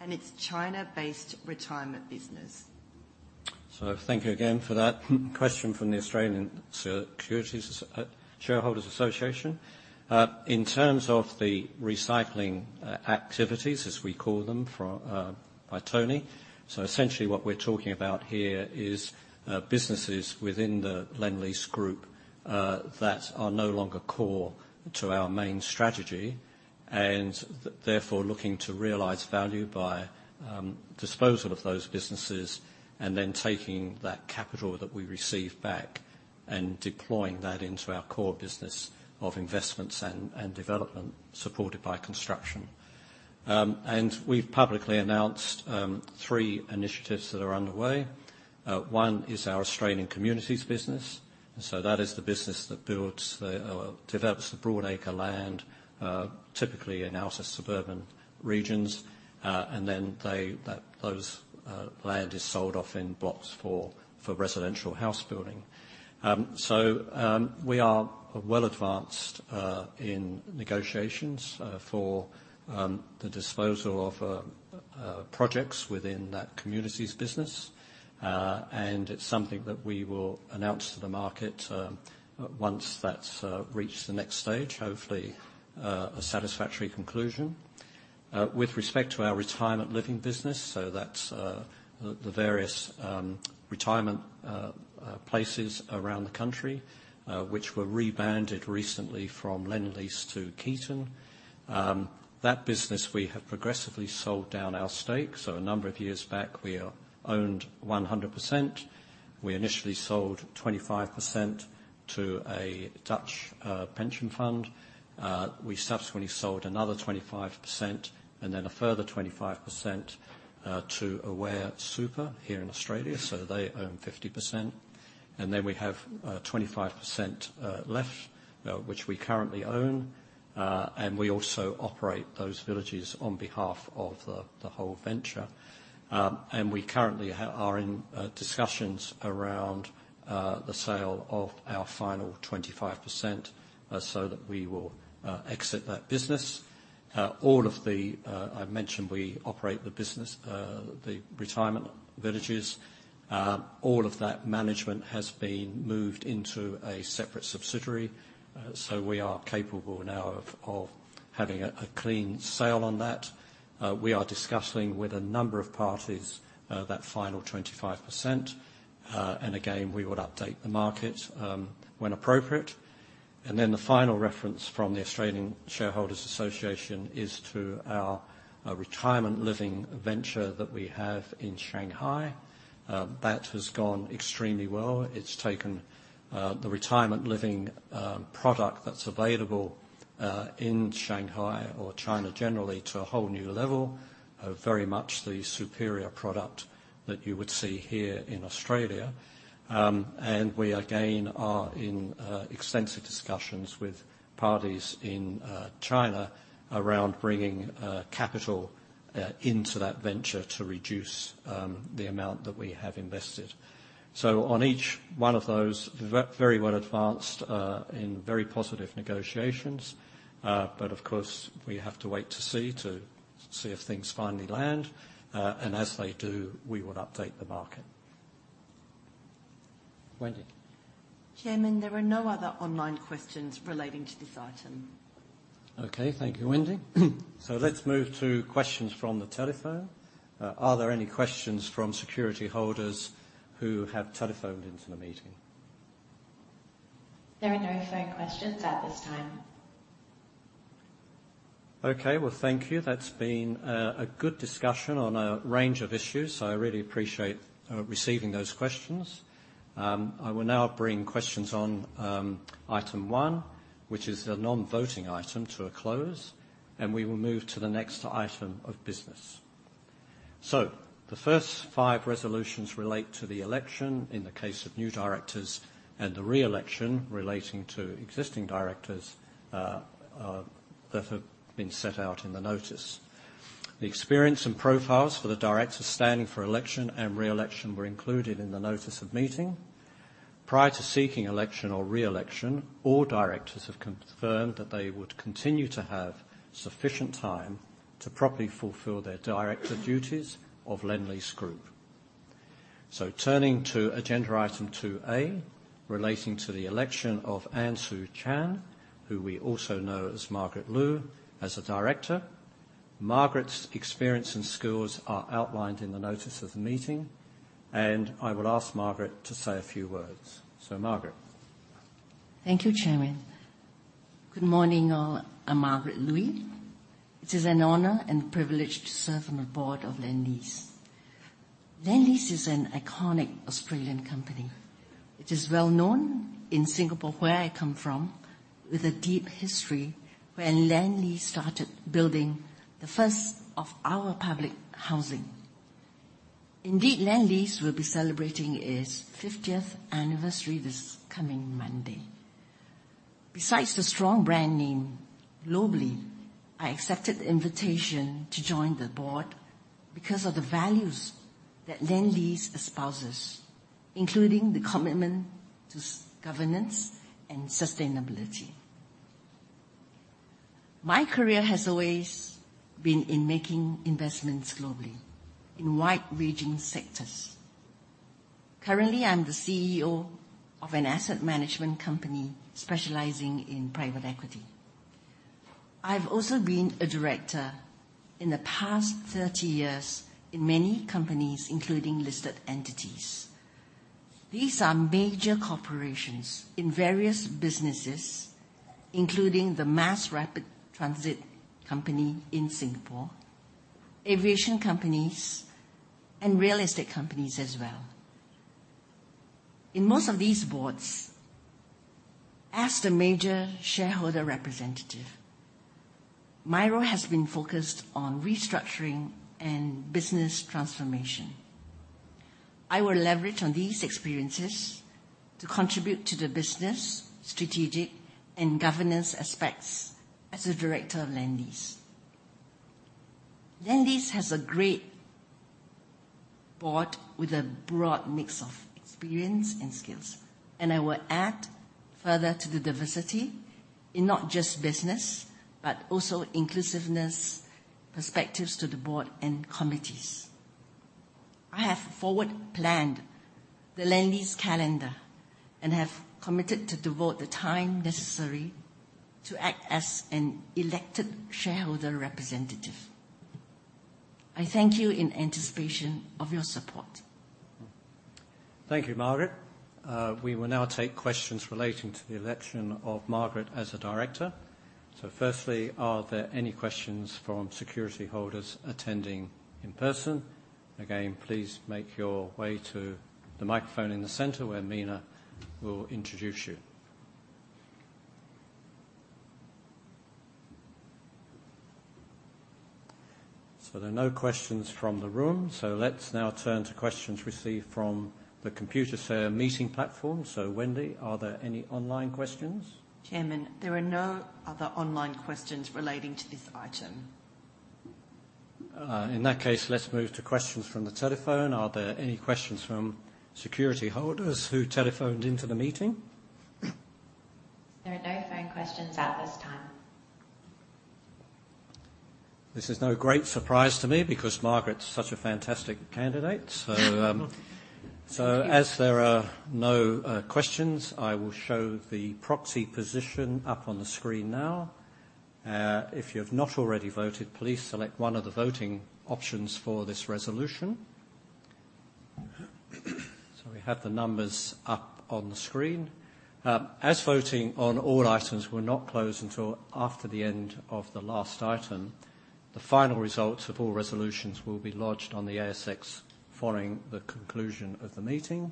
and its China-based retirement business? Thank you again for that question from the Australian Shareholders' Association. In terms of the recycling activities, as we call them, for by Tony, so essentially what we're talking about here is businesses within the Lendlease Group that are no longer core to our main strategy, and therefore looking to realize value by disposal of those businesses, and then taking that capital that we receive back and deploying that into our core business of investments and development, supported by construction. We've publicly announced three initiatives that are underway. One is our Australian communities business, and so that is the business that develops the broad acre land, typically in outer suburban regions, and then that land is sold off in blocks for residential house building. We are well advanced in negotiations for the disposal of projects within that communities business, and it's something that we will announce to the market once that's reached the next stage, hopefully a satisfactory conclusion. With respect to our retirement living business, so that's the various retirement places around the country which were rebranded recently from Lendlease to Keyton. That business, we have progressively sold down our stake. So a number of years back, we owned 100%. We initially sold 25% to a Dutch pension fund. We subsequently sold another 25%, and then a further 25% to Aware Super here in Australia, so they own 50%, and then we have 25% left. Which we currently own, and we also operate those villages on behalf of the whole venture. We are currently in discussions around the sale of our final 25%, so that we will exit that business. All of the. I've mentioned we operate the business, the retirement villages. All of that management has been moved into a separate subsidiary, so we are capable now of having a clean sale on that. We are discussing with a number of parties that final 25%. And again, we would update the market when appropriate. And then the final reference from the Australian Shareholders' Association is to our retirement living venture that we have in Shanghai. That has gone extremely well. It's taken the retirement living product that's available in Shanghai or China generally, to a whole new level. Very much the superior product that you would see here in Australia. And we again are in extensive discussions with parties in China around bringing capital into that venture to reduce the amount that we have invested. So on each one of those, very well advanced in very positive negotiations. But of course, we have to wait to see if things finally land. And as they do, we would update the market. Wendy? Chairman, there are no other online questions relating to this item. Okay, thank you, Wendy. So let's move to questions from the telephone. Are there any questions from security holders who have telephoned into the meeting? There are no phone questions at this time. Okay, well, thank you. That's been a good discussion on a range of issues, so I really appreciate receiving those questions. I will now bring questions on item one, which is a non-voting item, to a close, and we will move to the next item of business. So the first five resolutions relate to the election in the case of new directors, and the re-election relating to existing directors that have been set out in the notice. The experience and profiles for the directors standing for election and re-election were included in the notice of meeting. Prior to seeking election or re-election, all directors have confirmed that they would continue to have sufficient time to properly fulfill their director duties of Lendlease Group. So turning to agenda item 2-A, relating to the election of Ann Soo Chan, who we also know as Margaret Lui, as a director. Margaret's experience and skills are outlined in the notice of the meeting, and I would ask Margaret to say a few words. So, Margaret? Thank you, Chairman. Good morning, all. I'm Margaret Lui. It is an honor and a privilege to serve on the board of Lendlease. Lendlease is an iconic Australian company. It is well known in Singapore, where I come from, with a deep history when Lendlease started building the first of our public housing. Indeed, Lendlease will be celebrating its fiftieth anniversary this coming Monday. Besides the strong brand name globally, I accepted the invitation to join the board because of the values that Lendlease espouses, including the commitment to strong governance and sustainability. My career has always been in making investments globally in wide-ranging sectors. Currently, I'm the Chief Executive Officer of an asset management company specializing in private equity. I've also been a director in the past 30 years in many companies, including listed entities. These are major corporations in various businesses, including the Mass Rapid Transit Company in Singapore, aviation companies, and real estate companies as well. In most of these boards, as the major shareholder representative, my role has been focused on restructuring and business transformation. I will leverage on these experiences to contribute to the business, strategic, and governance aspects as a director of Lendlease. Lendlease has a great board with a broad mix of experience and skills, and I will add further to the diversity in not just business, but also inclusiveness, perspectives to the board and committees. I have forward-planned the Lendlease calendar and have committed to devote the time necessary to act as an elected shareholder representative. I thank you in anticipation of your support. Thank you, Margaret. We will now take questions relating to the election of Margaret as a director. Firstly, are there any questions from security holders attending in person? Again, please make your way to the microphone in the center, where Mina will introduce you.... There are no questions from the room, so let's now turn to questions received from the Computershare meeting platform. Wendy, are there any online questions? Chairman, there are no other online questions relating to this item. In that case, let's move to questions from the telephone. Are there any questions from security holders who telephoned into the meeting? There are no phone questions at this time. This is no great surprise to me because Margaret's such a fantastic candidate. Thank you. So as there are no questions, I will show the proxy position up on the screen now. If you have not already voted, please select one of the voting options for this resolution. So we have the numbers up on the screen. As voting on all items will not close until after the end of the last item, the final results of all resolutions will be lodged on the ASX following the conclusion of the meeting.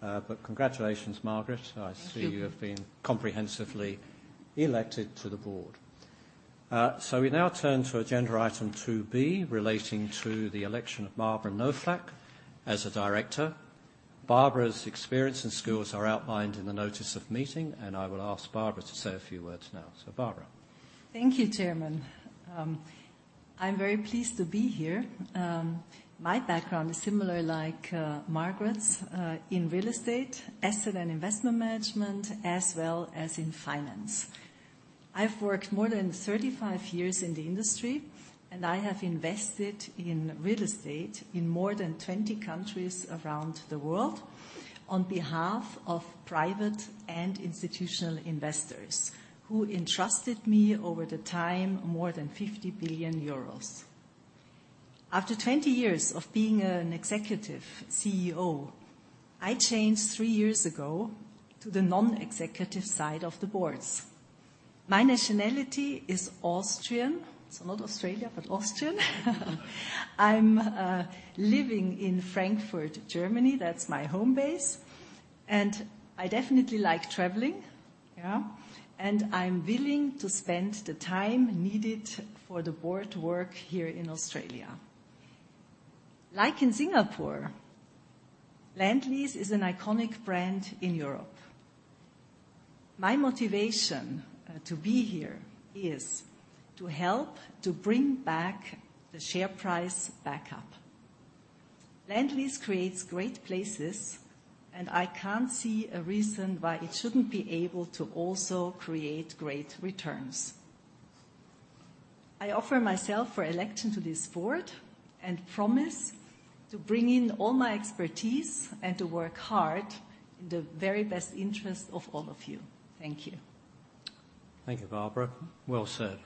But congratulations, Margaret. Thank you. I see you have been comprehensively elected to the board. So we now turn to agenda item 2 B, relating to the election of Barbara Knoflach as a director. Barbara's experience and skills are outlined in the Notice of Meeting, and I will ask Barbara to say a few words now. So, Barbara. Thank you, Chairman. I'm very pleased to be here. My background is similar, like, Margaret's, in real estate, asset and investment management, as well as in finance. I've worked more than 35 years in the industry, and I have invested in real estate in more than 20 countries around the world on behalf of private and institutional investors, who entrusted me over the time, more than 50 billion euros. After 20 years of being an executive Chief Executive Officer, I changed years ago to the non-executive side of the boards. My nationality is Austrian, so not Australia, but Austrian. I'm living in Frankfurt, Germany. That's my home base, and I definitely like traveling. Yeah, and I'm willing to spend the time needed for the board work here in Australia. Like in Singapore, Lendlease is an iconic brand in Europe. My motivation to be here is to help to bring back the share price back up. Lendlease creates great places, and I can't see a reason why it shouldn't be able to also create great returns. I offer myself for election to this board, and promise to bring in all my expertise and to work hard in the very best interest of all of you. Thank you. Thank you, Barbara. Well said.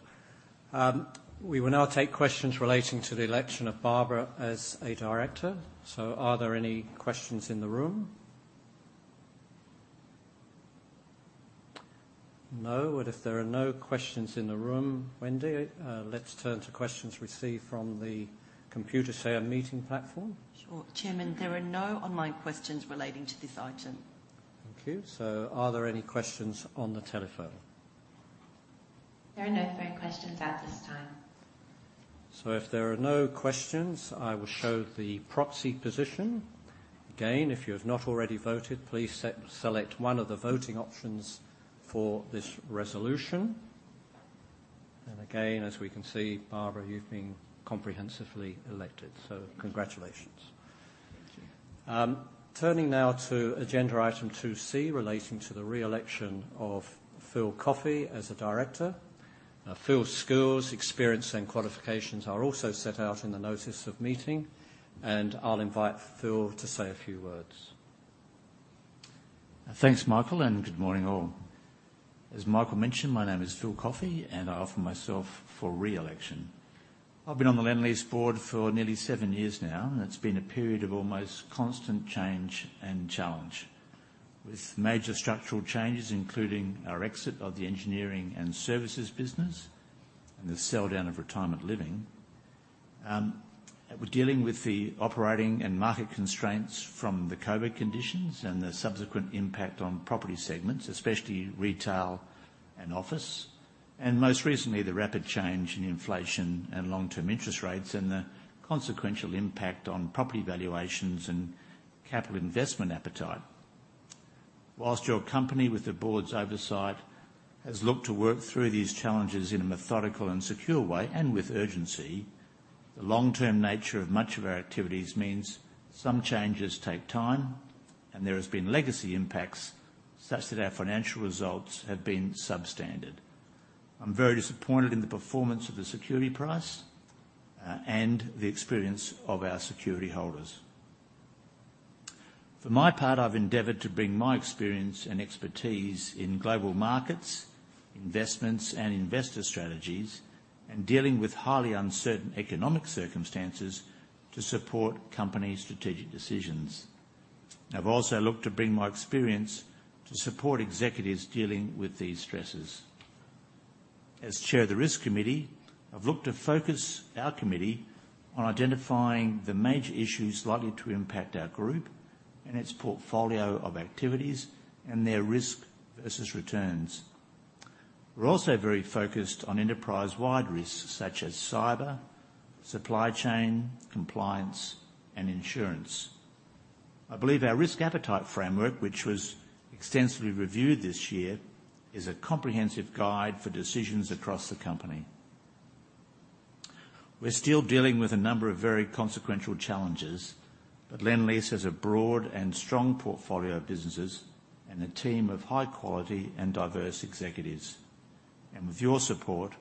We will now take questions relating to the election of Barbara as a director. So are there any questions in the room? No. And if there are no questions in the room, Wendy, let's turn to questions received from the Computershare meeting platform. Sure. Chairman, there are no online questions relating to this item. Thank you. So are there any questions on the telephone? There are no phone questions at this time. So if there are no questions, I will show the proxy position. Again, if you have not already voted, please select one of the voting options for this resolution. Again, as we can see, Barbara, you've been comprehensively elected, so congratulations. Thank you. Turning now to agenda item 2 C, relating to the re-election of Phil Coffey as a director. Phil's skills, experience, and qualifications are also set out in the notice of meeting, and I'll invite Phil to say a few words. Thanks, Michael, and good morning, all. As Michael mentioned, my name is Phil Coffey, and I offer myself for re-election. I've been on the Lendlease board for nearly seven years now, and it's been a period of almost constant change and challenge, with major structural changes, including our exit of the engineering and services business and the sell down of retirement living. We're dealing with the operating and market constraints from the COVID conditions and the subsequent impact on property segments, especially retail and office, and most recently, the rapid change in inflation and long-term interest rates, and the consequential impact on property valuations and capital investment appetite. While your company, with the board's oversight, has looked to work through these challenges in a methodical and secure way, and with urgency, the long-term nature of much of our activities means some changes take time, and there has been legacy impacts such that our financial results have been substandard. I'm very disappointed in the performance of the security price, and the experience of our security holders. For my part, I've endeavored to bring my experience and expertise in global markets, investments, and investor strategies, and dealing with highly uncertain economic circumstances to support company strategic decisions. I've also looked to bring my experience to support executives dealing with these stresses. As Chair of the Risk Committee, I've looked to focus our committee on identifying the major issues likely to impact our group and its portfolio of activities and their risk versus returns. We're also very focused on enterprise-wide risks, such as cyber, supply chain, compliance, and insurance. I believe our risk appetite framework, which was extensively reviewed this year, is a comprehensive guide for decisions across the company. We're still dealing with a number of very consequential challenges, but Lendlease has a broad and strong portfolio of businesses and a team of high quality and diverse executives. With your support,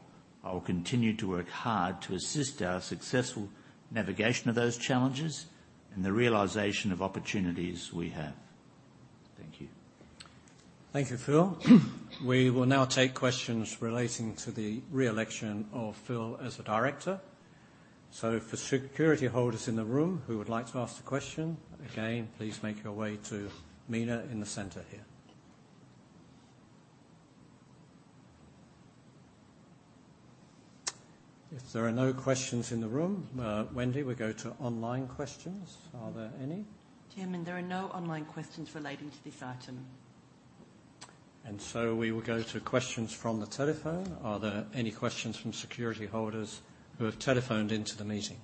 I will continue to work hard to assist our successful navigation of those challenges and the realization of opportunities we have. Thank you. Thank you, Phil. We will now take questions relating to the re-election of Phil as a director. For security holders in the room who would like to ask a question, again, please make your way to Mina in the center here. If there are no questions in the room, Wendy, we go to online questions. Are there any? Chairman, there are no online questions relating to this item. And so we will go to questions from the telephone. Are there any questions from security holders who have telephoned into the meeting?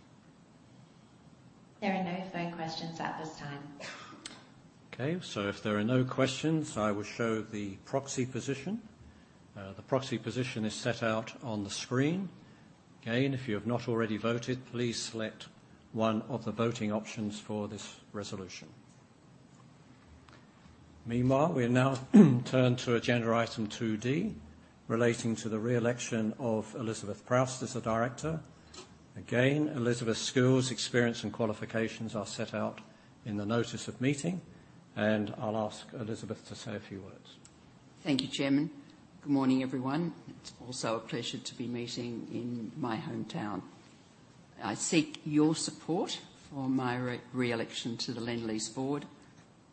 There are no phone questions at this time. Okay, so if there are no questions, I will show the proxy position. The proxy position is set out on the screen. Again, if you have not already voted, please select one of the voting options for this resolution. Meanwhile, we now turn to agenda item 2-D, relating to the re-election of Elizabeth Proust as a director. Again, Elizabeth's skills, experience, and qualifications are set out in the notice of meeting, and I'll ask Elizabeth to say a few words. Thank you, Chairman. Good morning, everyone. It's also a pleasure to be meeting in my hometown. I seek your support for my re-election to the Lendlease board.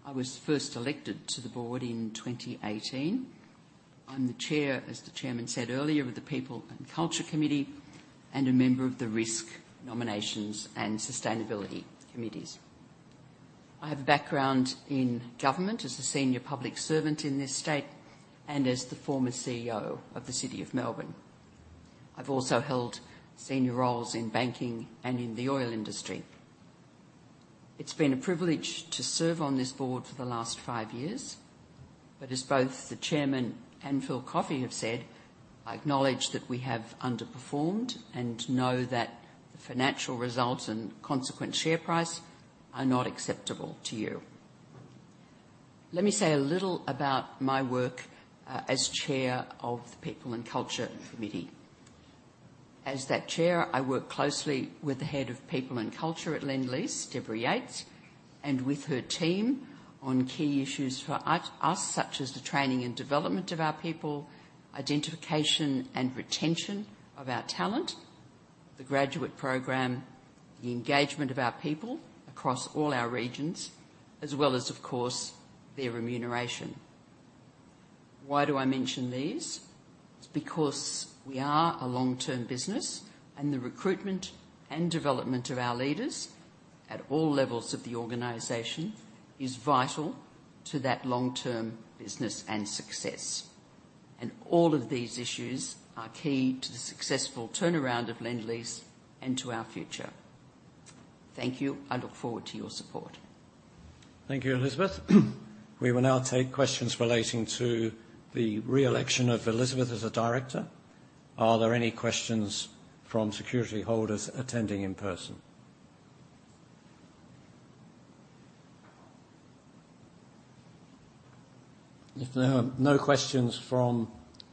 I was first elected to the board in 2018. I'm the chair, as the chairman said earlier, of the People and Culture Committee, and a member of the Risk, Nominations, and Sustainability Committees. I have a background in government as a senior public servant in this state and as the former Chief Executive Officer of the City of Melbourne. I've also held senior roles in banking and in the oil industry. It's been a privilege to serve on this board for the last 5 years, but as both the chairman and Phil Coffey have said, I acknowledge that we have underperformed and know that the financial results and consequent share price are not acceptable to you. Let me say a little about my work as Chair of the People and Culture Committee. As that Chair, I work closely with the Head of People and Culture at Lendlease, Deborah Yates, and with her team on key issues for us, such as the training and development of our people, identification and retention of our talent, the graduate program, the engagement of our people across all our regions, as well as, of course, their remuneration. Why do I mention these? It's because we are a long-term business, and the recruitment and development of our leaders at all levels of the organization is vital to that long-term business and success. All of these issues are key to the successful turnaround of Lendlease and to our future. Thank you. I look forward to your support. Thank you, Elizabeth. We will now take questions relating to the re-election of Elizabeth as a director. Are there any questions from security holders attending in person? If there are no questions from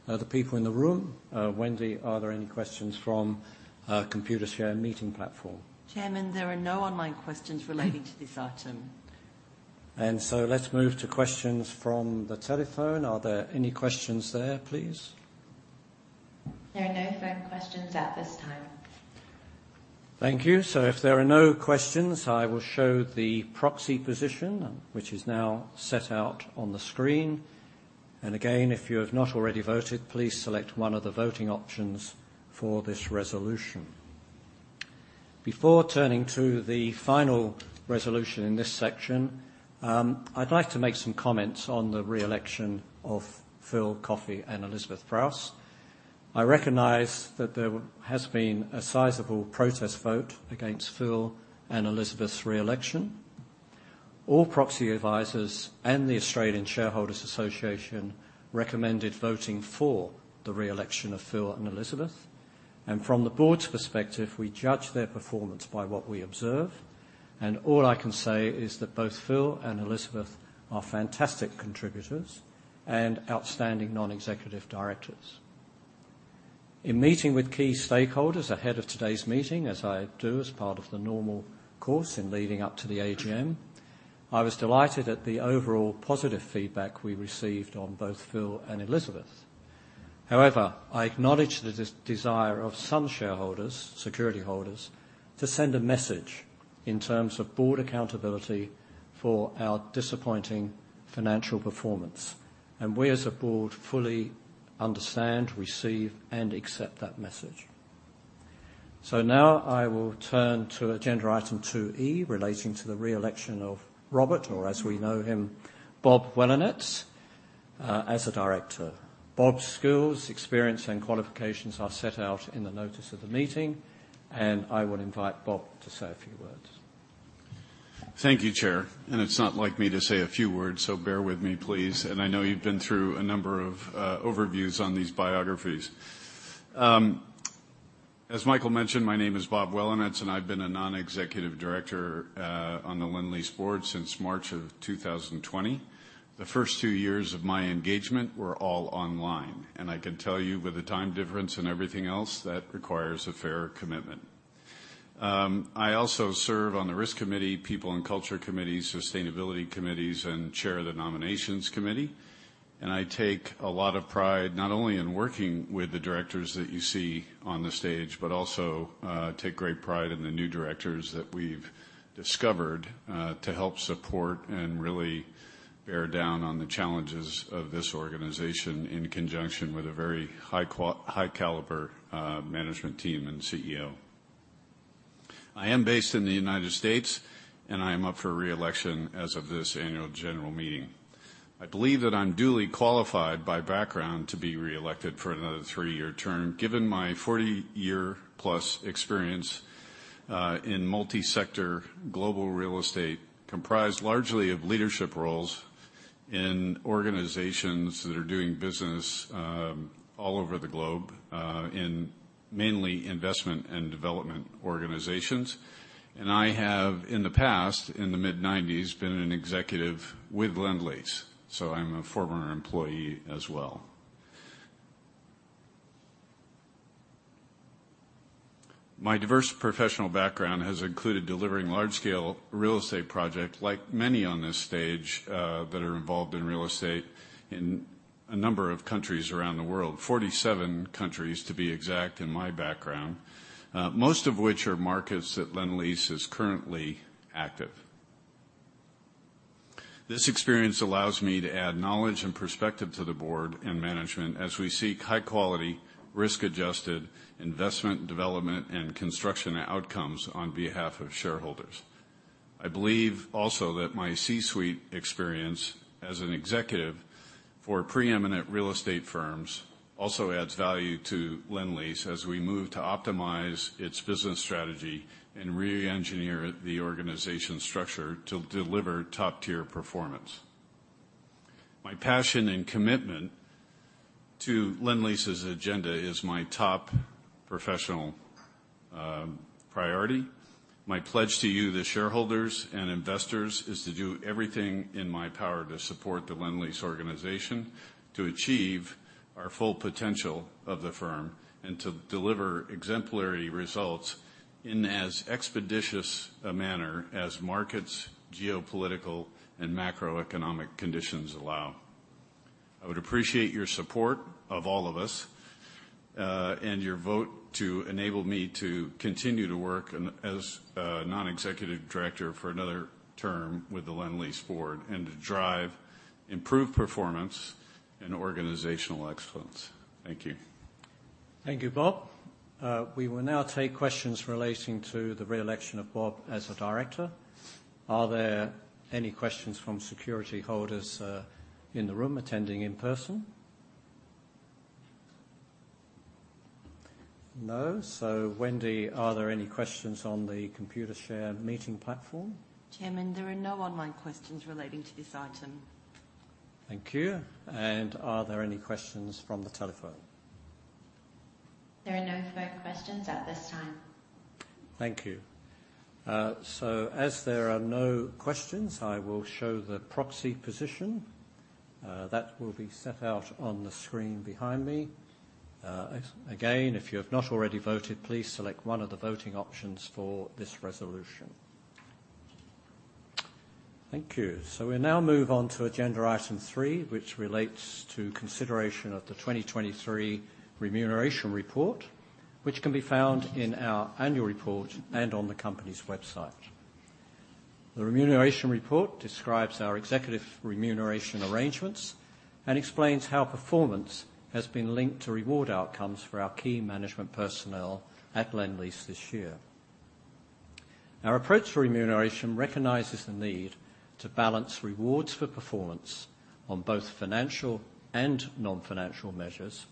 the people in the room, Wendy, are there any questions from our Computershare meeting platform? Chairman, there are no online questions relating to this item. Let's move to questions from the telephone. Are there any questions there, please? There are no phone questions at this time. Thank you. So if there are no questions, I will show the proxy position, which is now set out on the screen. And again, if you have not already voted, please select one of the voting options for this resolution. Before turning to the final resolution in this section, I'd like to make some comments on the re-election of Philip Coffey and Elizabeth Proust. I recognize that there has been a sizable protest vote against Phil and Elizabeth's re-election. All proxy advisors and the Australian Shareholders' Association recommended voting for the re-election of Phil and Elizabeth. And from the board's perspective, we judge their performance by what we observe, and all I can say is that both Phil and Elizabeth are fantastic contributors and outstanding non-executive directors. In meeting with key stakeholders ahead of today's meeting, as I do as part of the normal course in leading up to the AGM, I was delighted at the overall positive feedback we received on both Phil and Elizabeth. However, I acknowledge the desire of some shareholders, security holders, to send a message in terms of board accountability for our disappointing financial performance, and we as a board fully understand, receive, and accept that message. So now I will turn to agenda item two E, relating to the re-election of Robert, or as we know him, Bob Welanetz, as a director. Bob's skills, experience, and qualifications are set out in the notice of the meeting, and I would invite Bob to say a few words. Thank you, Chair. And it's not like me to say a few words, so bear with me, please. And I know you've been through a number of overviews on these biographies. As Michael mentioned, my name is Bob Welanetz, and I've been a non-executive director on the Lendlease board since March of 2020. The first two years of my engagement were all online, and I can tell you with the time difference and everything else, that requires a fair commitment. I also serve on the Risk Committee, People and Culture Committee, Sustainability Committees, and Chair of the Nominations Committee. I take a lot of pride, not only in working with the directors that you see on the stage, but also take great pride in the new directors that we've discovered to help support and really bear down on the challenges of this organization, in conjunction with a very high caliber management team and Chief Executive Officer. I am based in the United States, and I am up for re-election as of this annual general meeting. I believe that I'm duly qualified by background to be re-elected for anotherthree year term, given my 40-year-plus experience in multi-sector global real estate, comprised largely of leadership roles in organizations that are doing business all over the globe in mainly investment and development organizations. I have, in the past, in the mid-1990s, been an executive with Lendlease, so I'm a former employee as well. My diverse professional background has included delivering large-scale real estate projects, like many on this stage, that are involved in real estate in a number of countries around the world. 47 countries, to be exact, in my background. Most of which are markets that Lendlease is currently active. This experience allows me to add knowledge and perspective to the board and management as we seek high quality, risk-adjusted investment, development, and construction outcomes on behalf of shareholders. I believe also that my C-suite experience as an executive for pre-eminent real estate firms also adds value to Lendlease as we move to optimize its business strategy and re-engineer the organization's structure to deliver top-tier performance. My passion and commitment to Lendlease's agenda is my top professional priority. My pledge to you, the shareholders and investors, is to do everything in my power to support the Lendlease organization, to achieve our full potential of the firm, and to deliver exemplary results in as expeditious a manner as markets, geopolitical, and macroeconomic conditions allow. I would appreciate your support of all of us, and your vote to enable me to continue to work and as a non-executive director for another term with the Lendlease board, and to drive improved performance and organizational excellence. Thank you. Thank you, Bob. We will now take questions relating to the re-election of Bob as a director. Are there any questions from security holders in the room attending in person? No. So, Wendy, are there any questions on the Computershare meeting platform? Chairman, there are no online questions relating to this item. Thank you. Are there any questions from the telephone? There are no phone questions at this time. Thank you. So as there are no questions, I will show the proxy position. That will be set out on the screen behind me. Again, if you have not already voted, please select one of the voting options for this resolution. Thank you. So we now move on to agenda item three, which relates to consideration of the 2023 Remuneration Report, which can be found in our annual report and on the company's website. The Remuneration Report describes our executive remuneration arrangements and explains how performance has been linked to reward outcomes for our key management personnel at Lendlease this year. Our approach to remuneration recognizes the need to balance rewards for performance on both financial and non-financial measures,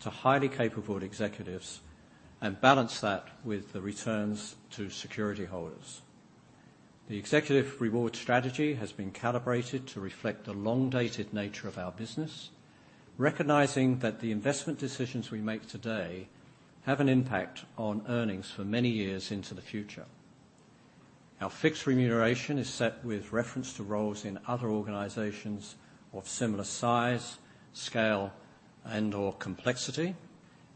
to highly capable executives, and balance that with the returns to security holders. The executive reward strategy has been calibrated to reflect the long-dated nature of our business, recognizing that the investment decisions we make today have an impact on earnings for many years into the future. Our fixed remuneration is set with reference to roles in other organizations of similar size, scale, and/or complexity,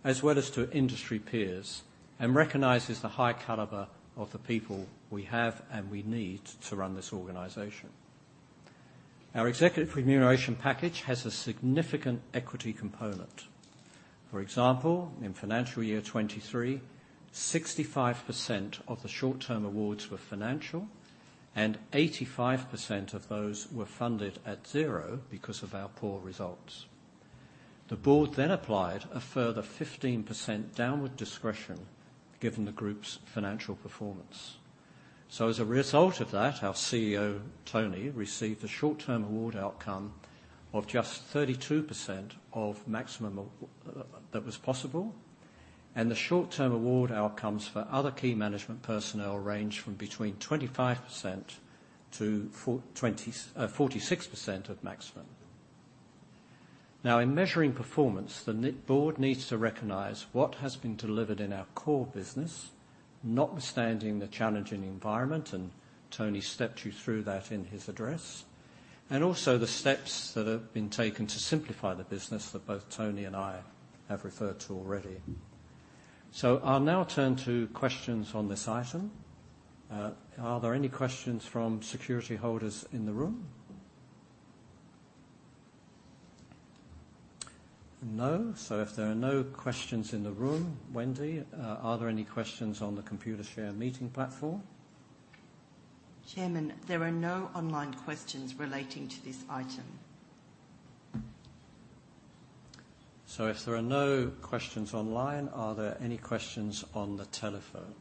as well as to industry peers, and recognizes the high caliber of the people we have and we need to run this organization. Our executive remuneration package has a significant equity component. For example, in financial year 2023, 65% of the short-term awards were financial, and 85% of those were funded at zero because of our poor results. The board then applied a further 15% downward discretion, given the group's financial performance. So as a result of that, our Chief Executive Officer, Tony, received a short-term award outcome of just 32% of maximum of that was possible, and the short-term award outcomes for other key management personnel range from between 25% to 46% of maximum. Now, in measuring performance, the board needs to recognize what has been delivered in our core business, notwithstanding the challenging environment, and Tony stepped you through that in his address, and also the steps that have been taken to simplify the business that both Tony and I have referred to already. So I'll now turn to questions on this item. Are there any questions from security holders in the room? No. So if there are no questions in the room, Wendy, are there any questions on the Computershare meeting platform? Chairman, there are no online questions relating to this item. If there are no questions online, are there any questions on the telephone?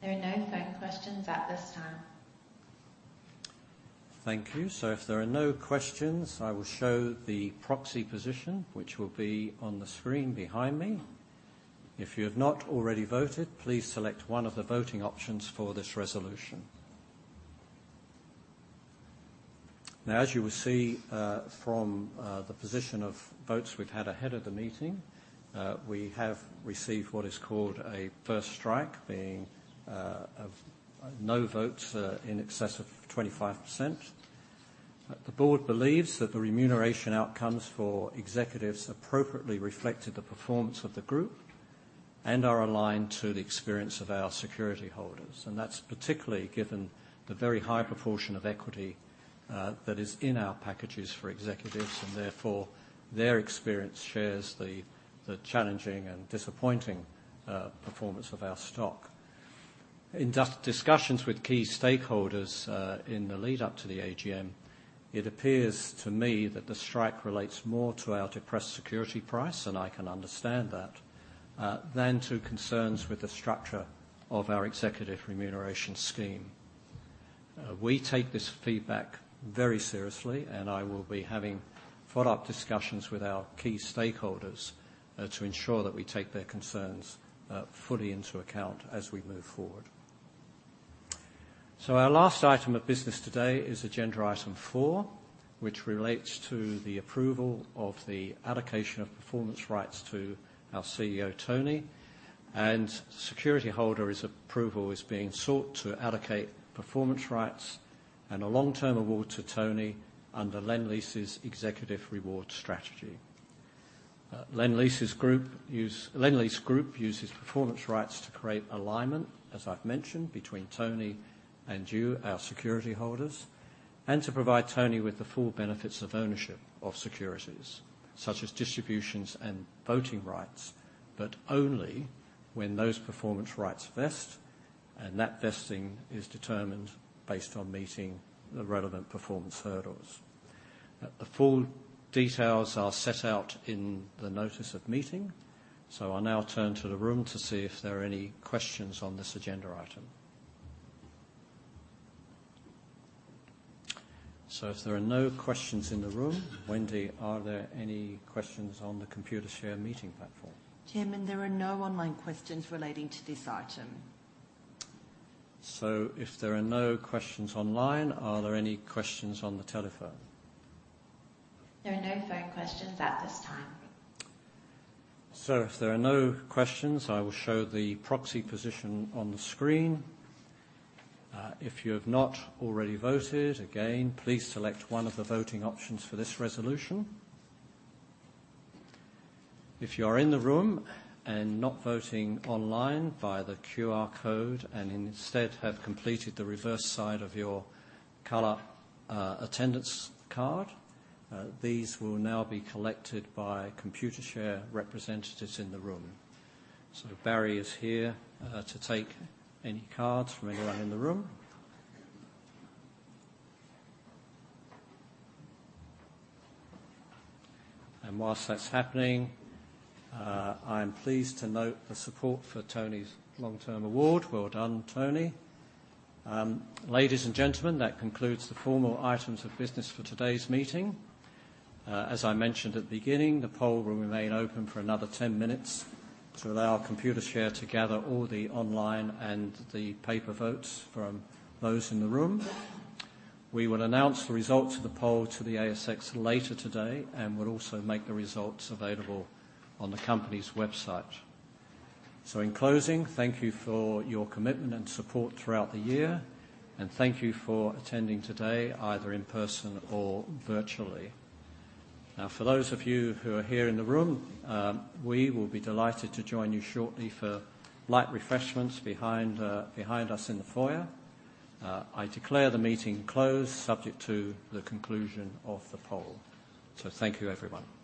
There are no phone questions at this time. Thank you. So if there are no questions, I will show the proxy position, which will be on the screen behind me. If you have not already voted, please select one of the voting options for this resolution. Now, as you will see, from the position of votes we've had ahead of the meeting, we have received what is called a first strike, being of no votes in excess of 25%. The board believes that the remuneration outcomes for executives appropriately reflected the performance of the group and are aligned to the experience of our security holders, and that's particularly given the very high proportion of equity that is in our packages for executives, and therefore, their experience shares the challenging and disappointing performance of our stock. In just discussions with key stakeholders, in the lead up to the AGM, it appears to me that the strike relates more to our depressed security price, and I can understand that, than to concerns with the structure of our executive remuneration scheme. We take this feedback very seriously, and I will be having follow-up discussions with our key stakeholders, to ensure that we take their concerns, fully into account as we move forward. Our last item of business today is agenda item four, which relates to the approval of the allocation of performance rights to our Chief Executive Officer, Tony. Security holder's approval is being sought to allocate performance rights and a long-term award to Tony under Lendlease's executive reward strategy. Lendlease Group uses performance rights to create alignment, as I've mentioned, between Tony and you, our security holders, and to provide Tony with the full benefits of ownership of securities, such as distributions and voting rights, but only when those performance rights vest, and that vesting is determined based on meeting the relevant performance hurdles. The full details are set out in the notice of meeting, so I'll now turn to the room to see if there are any questions on this agenda item. So if there are no questions in the room, Wendy, are there any questions on the Computershare meeting platform? Chairman, there are no online questions relating to this item. If there are no questions online, are there any questions on the telephone? There are no phone questions at this time. If there are no questions, I will show the proxy position on the screen. If you have not already voted, again, please select one of the voting options for this resolution. If you are in the room and not voting online via the QR code and instead have completed the reverse side of your colored attendance card, these will now be collected by Computershare representatives in the room. Barry is here to take any cards from anyone in the room. While that's happening, I am pleased to note the support for Tony's long-term award. Well done, Tony. Ladies and gentlemen, that concludes the formal items of business for today's meeting. As I mentioned at the beginning, the poll will remain open for another 10 minutes to allow Computershare to gather all the online and the paper votes from those in the room. We will announce the results of the poll to the ASX later today, and we'll also make the results available on the company's website. So in closing, thank you for your commitment and support throughout the year, and thank you for attending today, either in person or virtually. Now, for those of you who are here in the room, we will be delighted to join you shortly for light refreshments behind, behind us in the foyer. I declare the meeting closed, subject to the conclusion of the poll. So thank you, everyone.